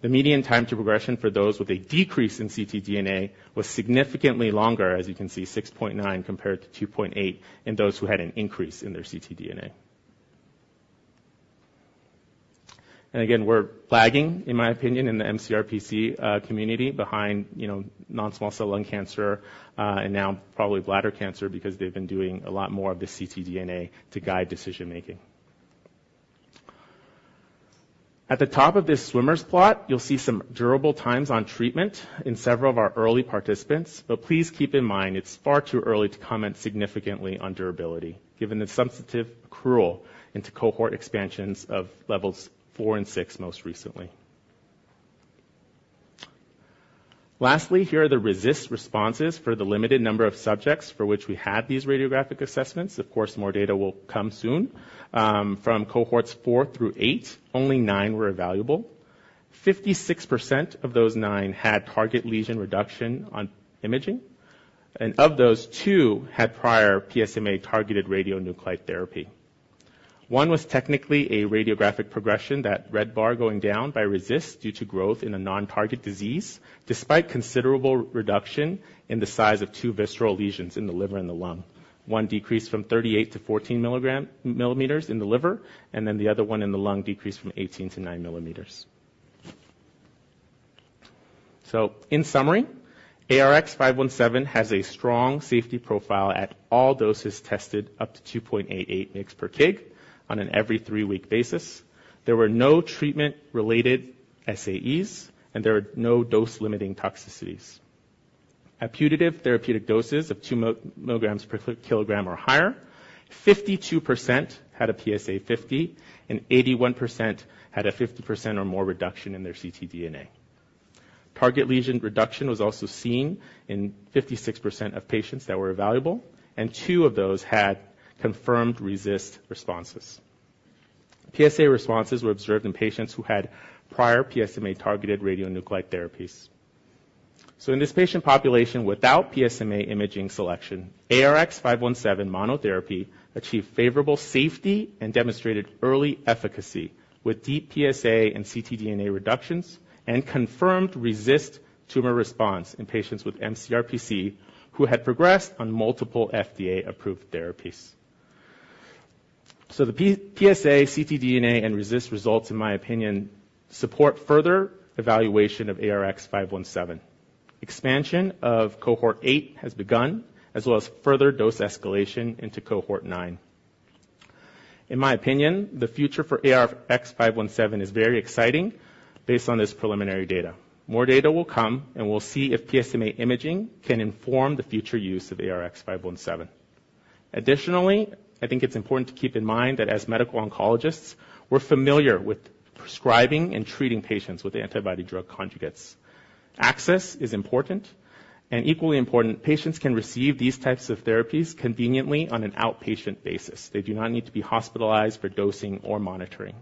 The median time to progression for those with a decrease in ctDNA was significantly longer, as you can see, 6.9 compared to 2.8, in those who had an increase in their ctDNA. And again, we're lagging, in my opinion, in the mCRPC community behind, you know, non-small cell lung cancer, and now probably bladder cancer because they've been doing a lot more of the ctDNA to guide decision-making. At the top of this swimmer's plot, you'll see some durable times on treatment in several of our early participants. But please keep in mind, it's far too early to comment significantly on durability, given the substantive accrual into cohort expansions of levels 4 and 6, most recently. Lastly, here are the RECIST responses for the limited number of subjects for which we had these radiographic assessments. Of course, more data will come soon. From Cohorts 4 through 8, only 9 were evaluable. 56% of those 9 had target lesion reduction on imaging, and of those, two had prior PSMA-targeted radionuclide therapy. One was technically a radiographic progression, that red bar going down by RECIST due to growth in a non-target disease, despite considerable reduction in the size of two visceral lesions in the liver and the lung. One decreased from 38 to 14 mm in the liver, and then the other one in the lung decreased from 18 to 9 mm. So in summary, ARX517 has a strong safety profile at all doses tested up to 2.88 mg/kg on an every 3-week basis. There were no treatment-related SAEs, and there were no dose-limiting toxicities. At putative therapeutic doses of 2 mg/kg or higher, 52% had a PSA50, and 81% had a 50% or more reduction in their ctDNA. Target lesion reduction was also seen in 56% of patients that were evaluable, and two of those had confirmed RECIST responses. PSA responses were observed in patients who had prior PSMA-targeted radionuclide therapies. So in this patient population, without PSMA imaging selection, ARX517 monotherapy achieved favorable safety and demonstrated early efficacy, with deep PSA and ctDNA reductions and confirmed RECIST tumor response in patients with mCRPC who had progressed on multiple FDA-approved therapies. So the PSA, ctDNA, and RECIST results, in my opinion, support further evaluation of ARX517. Expansion of Cohort 8 has begun, as well as further dose escalation into Cohort 9. In my opinion, the future for ARX517 is very exciting based on this preliminary data. More data will come, and we'll see if PSMA imaging can inform the future use of ARX517. Additionally, I think it's important to keep in mind that as medical oncologists, we're familiar with prescribing and treating patients with antibody-drug conjugates. Access is important, and equally important, patients can receive these types of therapies conveniently on an outpatient basis. They do not need to be hospitalized for dosing or monitoring.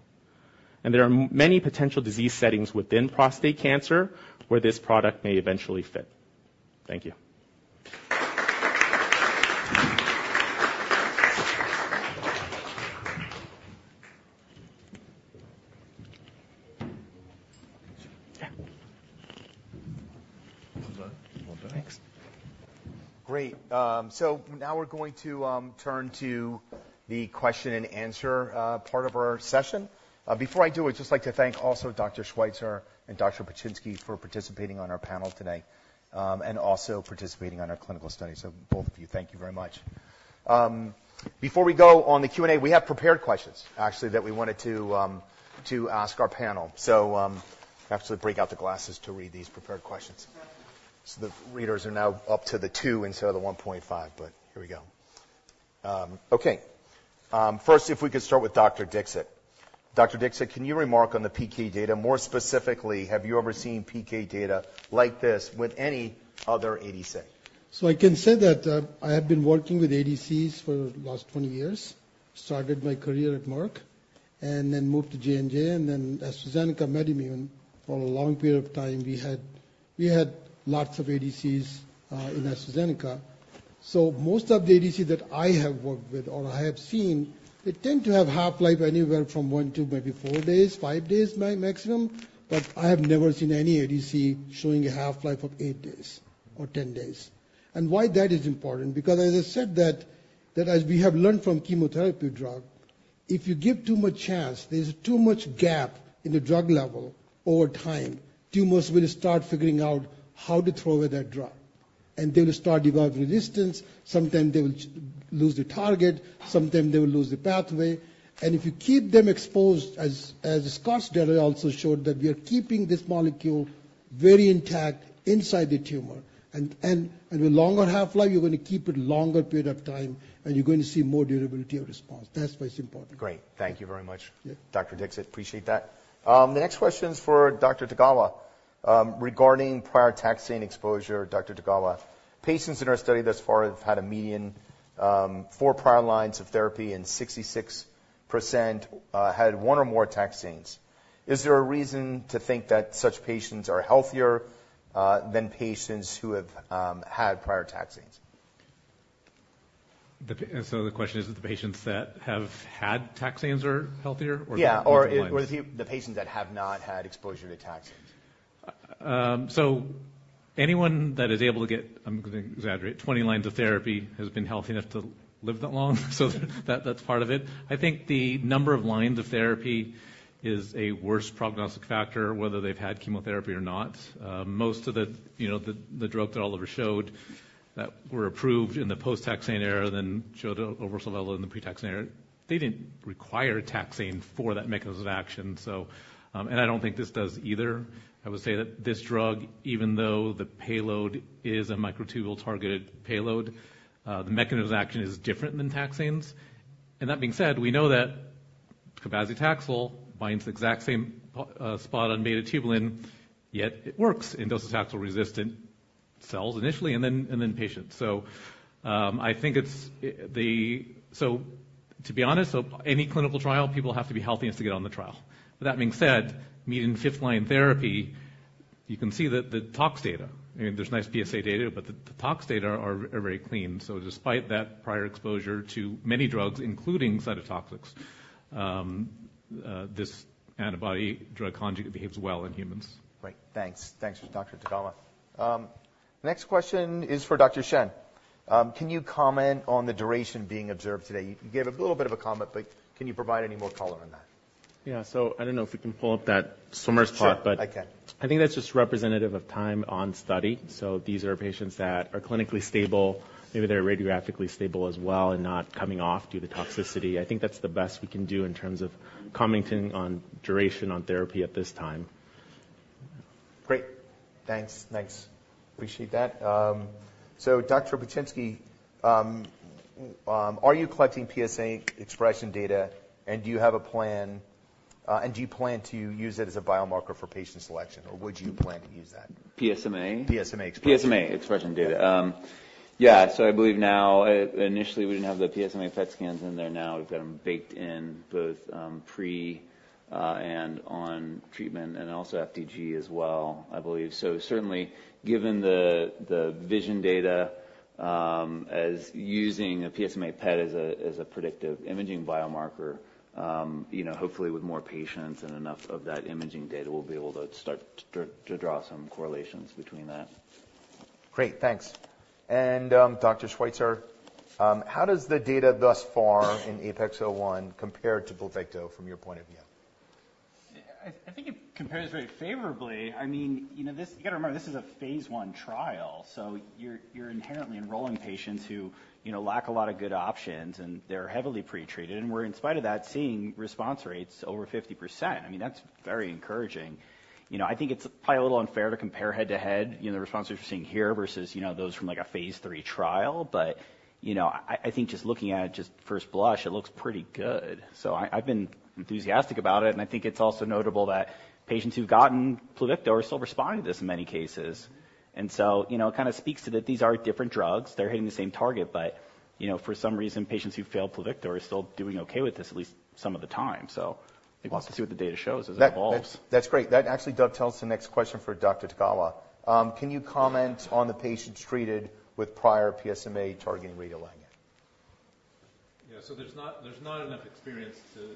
There are many potential disease settings within prostate cancer where this product may eventually fit. Thank you. Great. So now we're going to turn to the question and answer part of our session. Before I do, I'd just like to thank also Dr. Schweizer and Dr. Pachynski for participating on our panel today, and also participating on our clinical study. So both of you, thank you very much. Before we go on the Q&A, we have prepared questions, actually, that we wanted to ask our panel. So I have to break out the glasses to read these prepared questions. So the readers are now up to the 2 instead of the 1.5, but here we go. Okay, first, if we could start with Dr. Dixit. Dr. Dixit, can you remark on the PK data? More specifically, have you ever seen PK data like this with any other ADC? So I can say that, I have been working with ADCs for the last 20 years. Started my career at Merck and then moved to J&J, and then AstraZeneca, MedImmune. For a long period of time, we had lots of ADCs in AstraZeneca. So most of the ADCs that I have worked with or I have seen, they tend to have half-life anywhere from 1 to maybe 4 days, 5 days, my maximum, but I have never seen any ADC showing a half-life of 8 days or 10 days. And why that is important, because as I said that as we have learned from chemotherapy drug, if you give too much chance, there's too much gap in the drug level over time, tumors will start figuring out how to throw away that drug. And they will start develop resistance. Sometimes they will lose the target, sometimes they will lose the pathway. And if you keep them exposed, as Scott's data also showed, that we are keeping this molecule very intact inside the tumor. And with longer half-life, you're going to keep it longer period of time, and you're going to see more durability of response. That's why it's important. Great. Thank you very much, Dr. Dixit. Appreciate that. The next question is for Dr. Tagawa, regarding prior taxane exposure. Dr. Tagawa, patients in our study thus far have had a median 4 prior lines of therapy, and 66% had one or more taxanes. Is there a reason to think that such patients are healthier than patients who have had prior taxanes? And so the question is, if the patients that have had taxanes are healthier or multiple lines? Yeah. The patients that have not had exposure to taxanes. So anyone that is able to get, I'm going to exaggerate, 20 lines of therapy, has been healthy enough to live that long, so that, that's part of it. I think the number of lines of therapy is a worse prognostic factor, whether they've had chemotherapy or not. Most of the, you know, drug that Oliver showed that were approved in the post-taxane era, then showed overall level in the pre-taxane era, they didn't require taxane for that mechanism of action. So, and I don't think this does either. I would say that this drug, even though the payload is a microtubule-targeted payload, the mechanism of action is different than taxanes. That being said, we know that cabazitaxel binds the exact same spot on beta-tubulin, yet it works in docetaxel-resistant cells initially, and then patients. So, I think it's, so to be honest, so any clinical trial, people have to be healthy enough to get on the trial. But that being said, median fifth line therapy, you can see that the tox data, I mean, there's nice PSA data, but the tox data are very clean. So despite that prior exposure to many drugs, including cytotoxics, this antibody drug conjugate behaves well in humans. Great, thanks. Thanks, Dr. Tagawa. Next question is for Dr. Shen. Can you comment on the duration being observed today? You gave a little bit of a comment, but can you provide any more color on that? Yeah. So I don't know if we can pull up that swimmers plot, but- Sure, I can. I think that's just representative of time on study. So these are patients that are clinically stable, maybe they're radiographically stable as well and not coming off due to toxicity. I think that's the best we can do in terms of commenting on duration on therapy at this time. Great. Thanks. Thanks. Appreciate that. So, Dr. Pachynski, are you collecting PSMA expression data, and do you have a plan, and do you plan to use it as a biomarker for patient selection, or would you plan to use that? PSMA? PSMA expression. PSMA expression data. Yeah. So I believe now, initially we didn't have the PSMA PET scans in there. Now, we've got them baked in both, pre, and on treatment, and also FDG as well, I believe. So certainly, given the, the VISION data, as using a PSMA PET as a, as a predictive imaging biomarker, you know, hopefully with more patients and enough of that imaging data, we'll be able to start to, to draw some correlations between that. Great, thanks. Dr. Schweizer, how does the data thus far in APEX-01 compare to Pluvicto from your point of view? I think it compares very favorably. I mean, you know, this... You've got to remember, this is a Phase I trial, so you're inherently enrolling patients who, you know, lack a lot of good options, and they're heavily pretreated, and we're in spite of that seeing response rates over 50%. I mean, that's very encouraging. You know, I think it's probably a little unfair to compare head-to-head, you know, the responses we're seeing here versus, you know, those from, like, Phase III trial. But, you know, I think just looking at it, just first blush, it looks pretty good. So I've been enthusiastic about it, and I think it's also notable that patients who've gotten Pluvicto are still responding to this in many cases. And so, you know, it kind of speaks to that these are different drugs. They're hitting the same target, but, you know, for some reason, patients who've failed Pluvicto are still doing okay with this, at least some of the time. So I think we'll have to see what the data shows as it evolves. That's, that's great. That actually dovetails the next question for Dr. Tagawa. Can you comment on the patients treated with prior PSMA-targeting radioligand? Yeah. So there's not enough experience to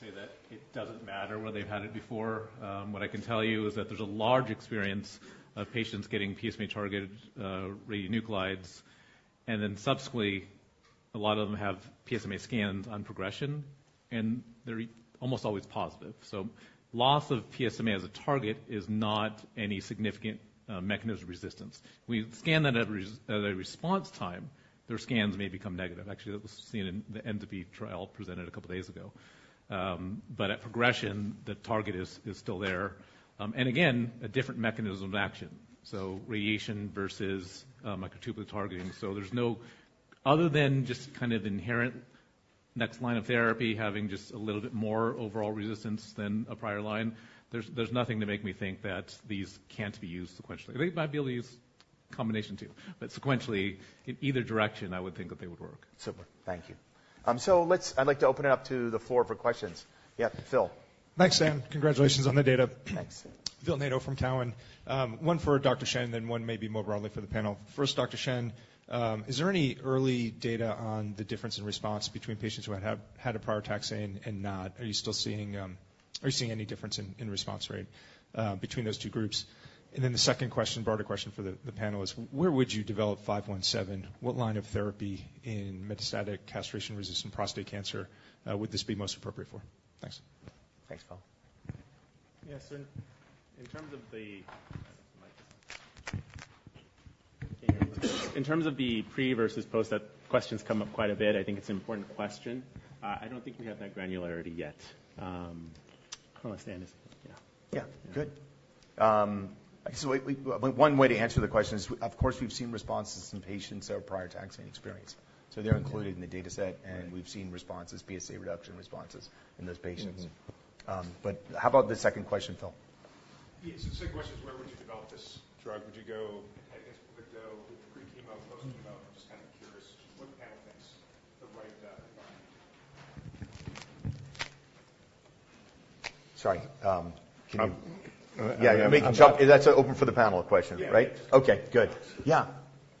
say that it doesn't matter whether they've had it before. What I can tell you is that there's a large experience of patients getting PSMA-targeted radionuclides, and then subsequently, a lot of them have PSMA scans on progression, and they're almost always positive. So loss of PSMA as a target is not any significant mechanism of resistance. We scan that at a response time; their scans may become negative. Actually, that was seen in the ENZA-p trial presented a couple of days ago. But at progression, the target is still there. And again, a different mechanism of action. So radiation versus microtubule targeting. So there's no... Other than just kind of inherent next line of therapy, having just a little bit more overall resistance than a prior line, there's nothing to make me think that these can't be used sequentially. They might be able to use combination, too, but sequentially, in either direction, I would think that they would work. Super. Thank you. I'd like to open it up to the floor for questions. Yeah, Phil. Thanks, Dan. Congratulations on the data. Thanks. Phil Nadeau from Cowen. One for Dr. Shen, then one maybe more broadly for the panel. First, Dr. Shen, is there any early data on the difference in response between patients who have had a prior taxane and not? Are you still seeing... Are you seeing any difference in response rate between those two groups? Then the second question, broader question for the panel, is where would you develop ARX517? What line of therapy in metastatic castration-resistant prostate cancer would this be most appropriate for? Thanks. Thanks, Phil. Yes, so in terms of the pre versus post, that question's come up quite a bit. I think it's an important question. I don't think we have that granularity yet. I don't know if Dan is-- Yeah. Yeah, good. So one way to answer the question is, of course, we've seen responses in patients prior to taxane experience, so they're included in the data set, and we've seen responses, PSA reduction responses, in those patients. Mm-hmm. How about the second question, Phil? Yes, the second question is, where would you develop this drug? Would you go, I guess, would it go with pre-chemo, post-chemo? I'm just kind of curious what the panel thinks the right environment is. Sorry, can you- Make the jump. That's an open for the panel question, right? Yeah. Okay, good. Yeah,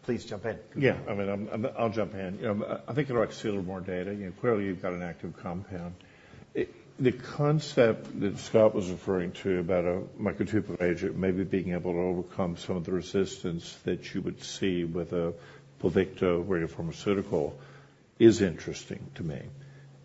please jump in. Yeah, I mean, I'll jump in. You know, I think I'd like to see a little more data. Clearly, you've got an active compound. It. The concept that Scott was referring to about a microtubule agent maybe being able to overcome some of the resistance that you would see with a Pluvicto radiopharmaceutical is interesting to me.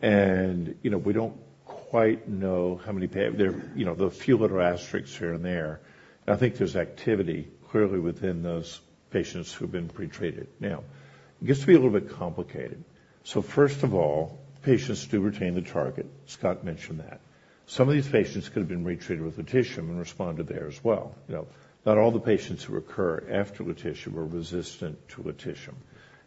And, you know, we don't quite know how many. There, you know, the few little asterisks here and there, and I think there's activity clearly within those patients who've been pretreated. Now, it gets to be a little bit complicated. So first of all, patients do retain the target. Scott mentioned that. Some of these patients could have been retreated with lutetium and responded there as well. You know, not all the patients who recur after lutetium are resistant to lutetium.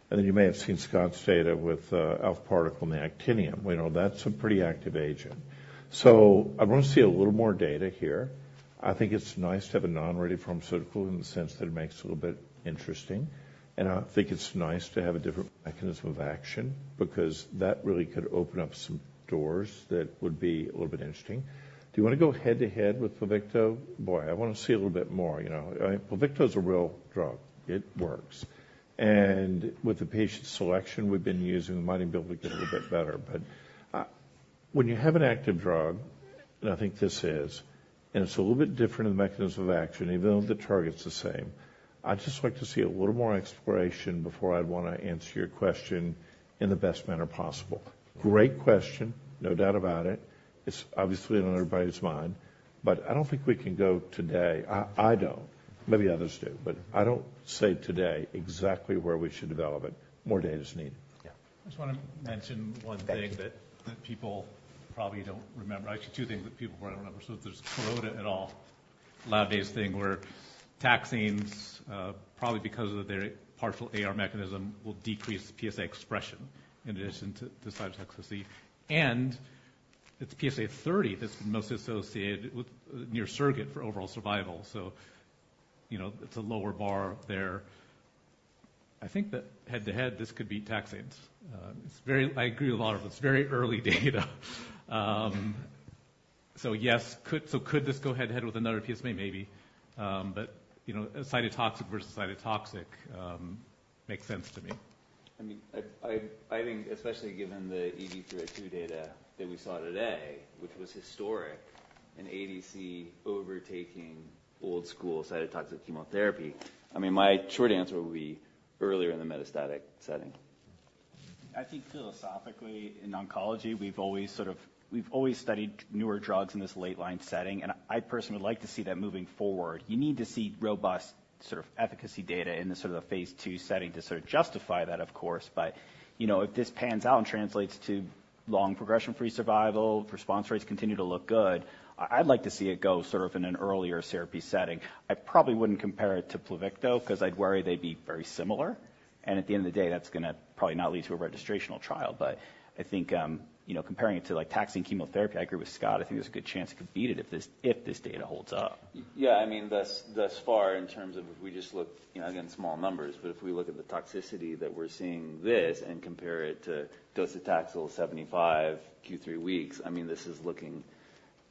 And then you may have seen Scott's data with alpha particle and actinium. We know that's a pretty active agent. So I want to see a little more data here. I think it's nice to have a non-radio pharmaceutical in the sense that it makes it a little bit interesting, and I think it's nice to have a different mechanism of action because that really could open up some doors that would be a little bit interesting. Do you want to go head-to-head with Pluvicto? Boy, I want to see a little bit more, you know. Pluvicto is a real drug. It works. With the patient selection we've been using, we might be able to get a little bit better. But when you have an active drug, and I think this is, and it's a little bit different in the mechanism of action, even though the target's the same, I'd just like to see a little more exploration before I'd want to answer your question in the best manner possible. Great question. No doubt about it. It's obviously on everybody's mind, but I don't think we can go today. I don't. Maybe others do, but I don't say today exactly where we should develop it. More data is needed. Yeah. I just want to mention one thing that, that people probably don't remember. Actually, two things that people probably don't remember. So there's Kuroda et al., lab-based thing, where taxanes, probably because of their partial AR mechanism, will decrease PSA expression in addition to cytotoxicity. And it's PSA30 that's most associated with near surrogate for overall survival. So you know, it's a lower bar there. I think that head-to-head, this could be taxanes. It's very... I agree with a lot of it. It's very early data. So yes, so could this go head-to-head with another PSA? Maybe. But, you know, cytotoxic versus cytotoxic, makes sense to me. I mean, I think especially given the EV-302 data that we saw today, which was historic, and ADC overtaking old-school cytotoxic chemotherapy, I mean, my short answer would be earlier in the metastatic setting. I think philosophically, in oncology, we've always sort of, we've always studied newer drugs in this late line setting, and I personally would like to see that moving forward. You need to see robust sort of efficacy data in sort of a Phase II setting to sort of justify that, of course. But, you know, if this pans out and translates to long progression-free survival, response rates continue to look good, I, I'd like to see it go sort of in an earlier therapy setting. I probably wouldn't compare it to Pluvicto because I'd worry they'd be very similar, and at the end of the day, that's gonna probably not lead to a registrational trial. But I think, you know, comparing it to, like, taxane chemotherapy, I agree with Scott. I think there's a good chance it could beat it if this, if this data holds up. Yeah, I mean, thus far, in terms of if we just look, you know, again, small numbers, but if we look at the toxicity that we're seeing in this and compare it to Docetaxel 75, q3 weeks, I mean, this is looking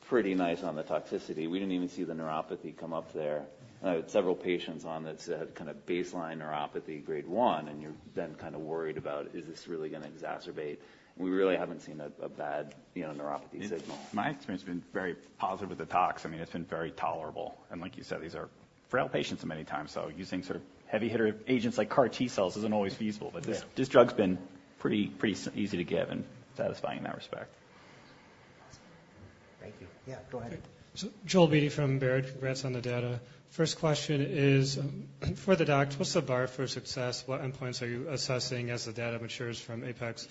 pretty nice on the toxicity. We didn't even see the neuropathy come up there. I had several patients on that said, kind of baseline neuropathy grade 1, and you're then kind of worried about, is this really gonna exacerbate? We really haven't seen a bad, you know, neuropathy signal. My experience has been very positive with the tox. I mean, it's been very tolerable. Like you said, these are frail patients many times, so using sort of heavy-hitter agents like CAR T cells isn't always feasible. But this, this drug's been pretty, pretty easy to give and satisfying in that respect. Thank you. Yeah, go ahead. So Joel Beatty from Baird. Congrats on the data. First question is, for the docs, what's the bar for success? What endpoints are you assessing as the data matures from APEX-01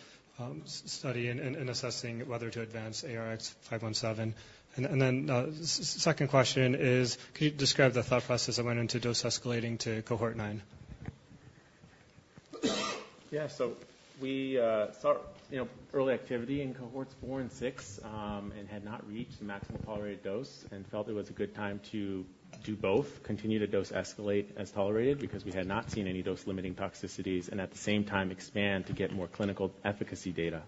study and assessing whether to advance ARX517? And then, second question is, can you describe the thought process that went into dose escalating to Cohort 9? Yeah, so we saw, you know, early activity in Cohorts 4 and 6, and had not reached the maximum tolerated dose and felt it was a good time to do both, continue to dose escalate as tolerated, because we had not seen any dose-limiting toxicities, and at the same time, expand to get more clinical efficacy data.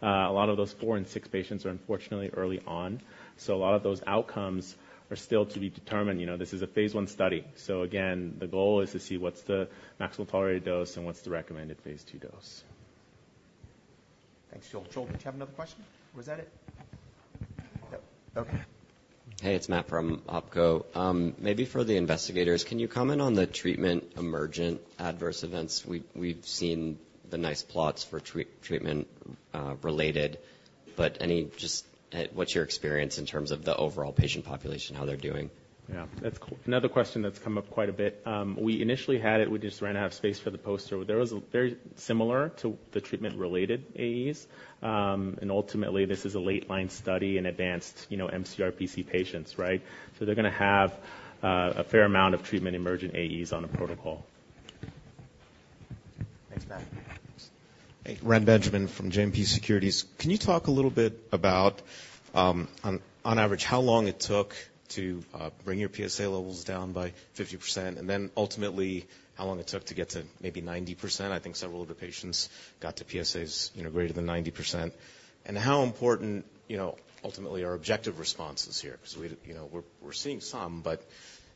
A lot of those 4 and 6 patients are unfortunately early on, so a lot of those outcomes are still to be determined. You know, this is a Phase I study. So again, the goal is to see what's the maximum tolerated dose and what's the recommended Phase 2 dose. Thanks, Joel. Joel, do you have another question, or was that it? No. Okay. Hey, it's Matt from Oppenheimer. Maybe for the investigators, can you comment on the treatment emergent adverse events? We've seen the nice plots for treatment-related, but any just, what's your experience in terms of the overall patient population, how they're doing? Yeah, that's another question that's come up quite a bit. We initially had it, we just ran out of space for the poster. There was very similar to the treatment-related AEs, and ultimately, this is a late line study in advanced, you know, mCRPC patients, right? So they're gonna have a fair amount of treatment-emergent AEs on the protocol. Thanks, Matt. Hey. Reni Benjamin from JMP Securities. Can you talk a little bit about, on, on average, how long it took to bring your PSA levels down by 50%, and then ultimately, how long it took to get to maybe 90%? I think several of the patients got to PSAs, you know, greater than 90%. And how important, you know, ultimately, are objective responses here? Because we, you know, we're, we're seeing some, but,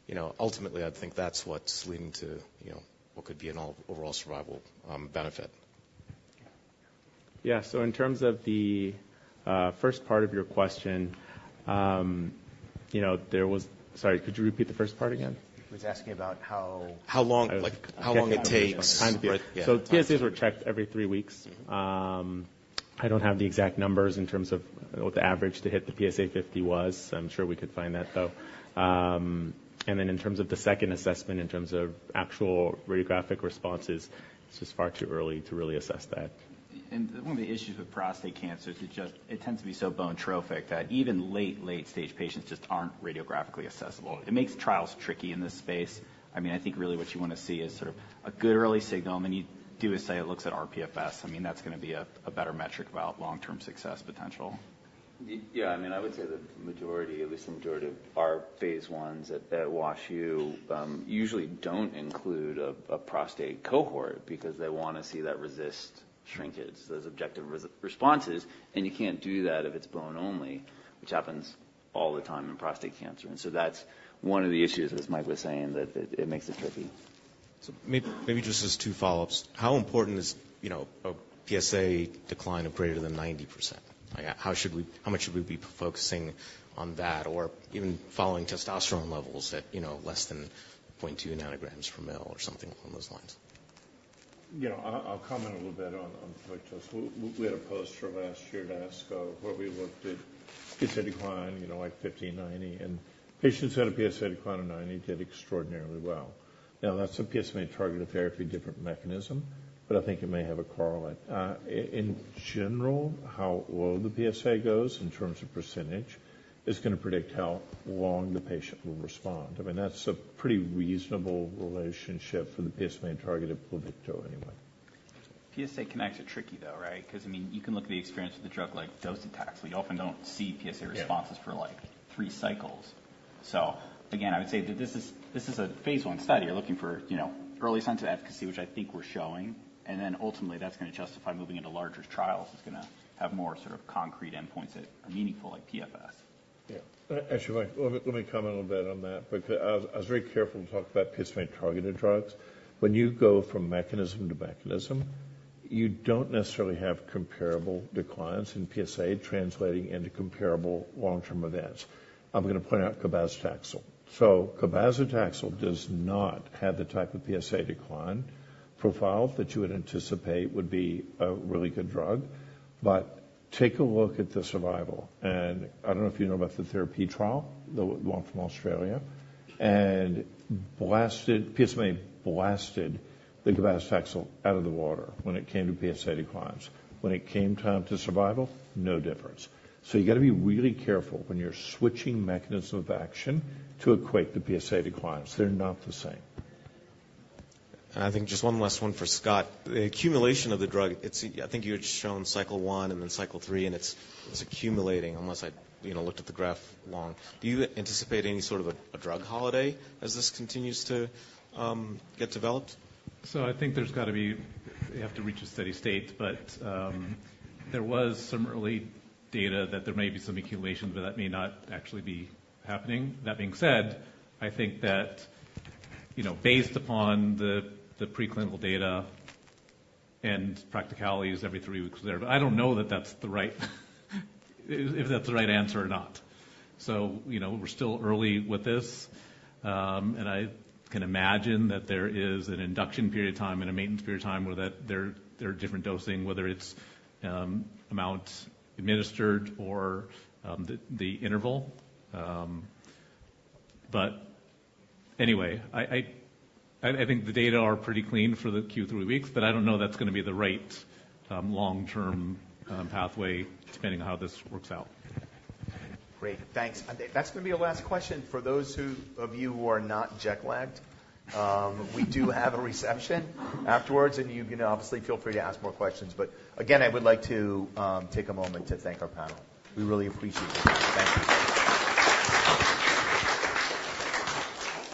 you know, ultimately, I think that's what's leading to, you know, what could be an overall survival benefit. Yeah. So in terms of the first part of your question, you know, there was... Sorry, could you repeat the first part again? He was asking about how- How long Like, how long it takes- Kind of, yeah. PSAs were checked every three weeks. I don't have the exact numbers in terms of what the average to hit the PSA50 was. I'm sure we could find that, though. And then in terms of the second assessment, in terms of actual radiographic responses, this is far too early to really assess that. One of the issues with prostate cancer is it just, it tends to be so bone-tropic that even late, late-stage patients just aren't radiographically accessible. It makes trials tricky in this space. I mean, I think really what you want to see is sort of a good early signal, and you do say it looks at rPFS. I mean, that's gonna be a better metric about long-term success potential. Yeah, I mean, I would say the majority, at least the majority of our Phase ones at WashU usually don't include a prostate cohort because they wanna see that resist shrinkage, those objective responses, and you can't do that if it's bone only, which happens all the time in prostate cancer. And so that's one of the issues, as Mike was saying, that it makes it tricky. So, maybe just as 2 follow-ups: How important is, you know, a PSA decline of greater than 90%? Like, how much should we be focusing on that, or even following testosterone levels at, you know, less than 0.2 ng/mL or something along those lines? You know, I'll, I'll comment a little bit on, on Pluvicto. We, we had a poster last year at ASCO, where we looked at PSA decline, you know, like 50% and 90%, and patients who had a PSA decline of 90% did extraordinarily well. Now, that's a PSMA targeted therapy, different mechanism, but I think it may have a correlate. In general, how low the PSA goes in terms of percentage is gonna predict how long the patient will respond. I mean, that's a pretty reasonable relationship for the PSMA targeted Pluvicto anyway. PSA declines are tricky, though, right? Because, I mean, you can look at the experience with a drug like Docetaxel. You often don't see PSA responses for, like, 3 cycles. Yeah. So again, I would say that this is, this is a Phase I study. You're looking for, you know, early signs of efficacy, which I think we're showing, and then ultimately, that's gonna justify moving into larger trials. It's gonna have more sort of concrete endpoints that are meaningful, like rPFS. Yeah. Actually, let me, let me comment a little bit on that. But, I was very careful to talk about PSMA-targeted drugs. When you go from mechanism to mechanism, you don't necessarily have comparable declines in PSA translating into comparable long-term events. I'm gonna point out cabazitaxel. So cabazitaxel does not have the type of PSA decline profile that you would anticipate would be a really good drug. But take a look at the survival, and I don't know if you know about the TheraP trial, the one from Australia, and blasted... PSMA blasted the cabazitaxel out of the water when it came to PSA declines. When it came time to survival, no difference. So you gotta be really careful when you're switching mechanism of action to equate the PSA declines. They're not the same. I think just one last one for Scott. The accumulation of the drug, it's. I think you had shown Cycle 1 and then Cycle 3, and it's accumulating, unless I, you know, looked at the graph wrong. Do you anticipate any sort of a drug holiday as this continues to get developed? So I think there's got to be... You have to reach a steady state, but there was some early data that there may be some accumulation, but that may not actually be happening. That being said, I think that, you know, based upon the preclinical data and practicalities every three weeks there, but I don't know that that's the right, if that's the right answer or not. So, you know, we're still early with this, and I can imagine that there is an induction period of time and a maintenance period of time where there are different dosing, whether it's amounts administered or the interval. But anyway, I think the data are pretty clean for the Q3 weeks, but I don't know that's gonna be the right long-term pathway, depending on how this works out. Great. Thanks. That's gonna be our last question. For those of you who are not jet-lagged, we do have a reception afterwards, and you can obviously feel free to ask more questions. But again, I would like to take a moment to thank our panel. We really appreciate it. Thank you.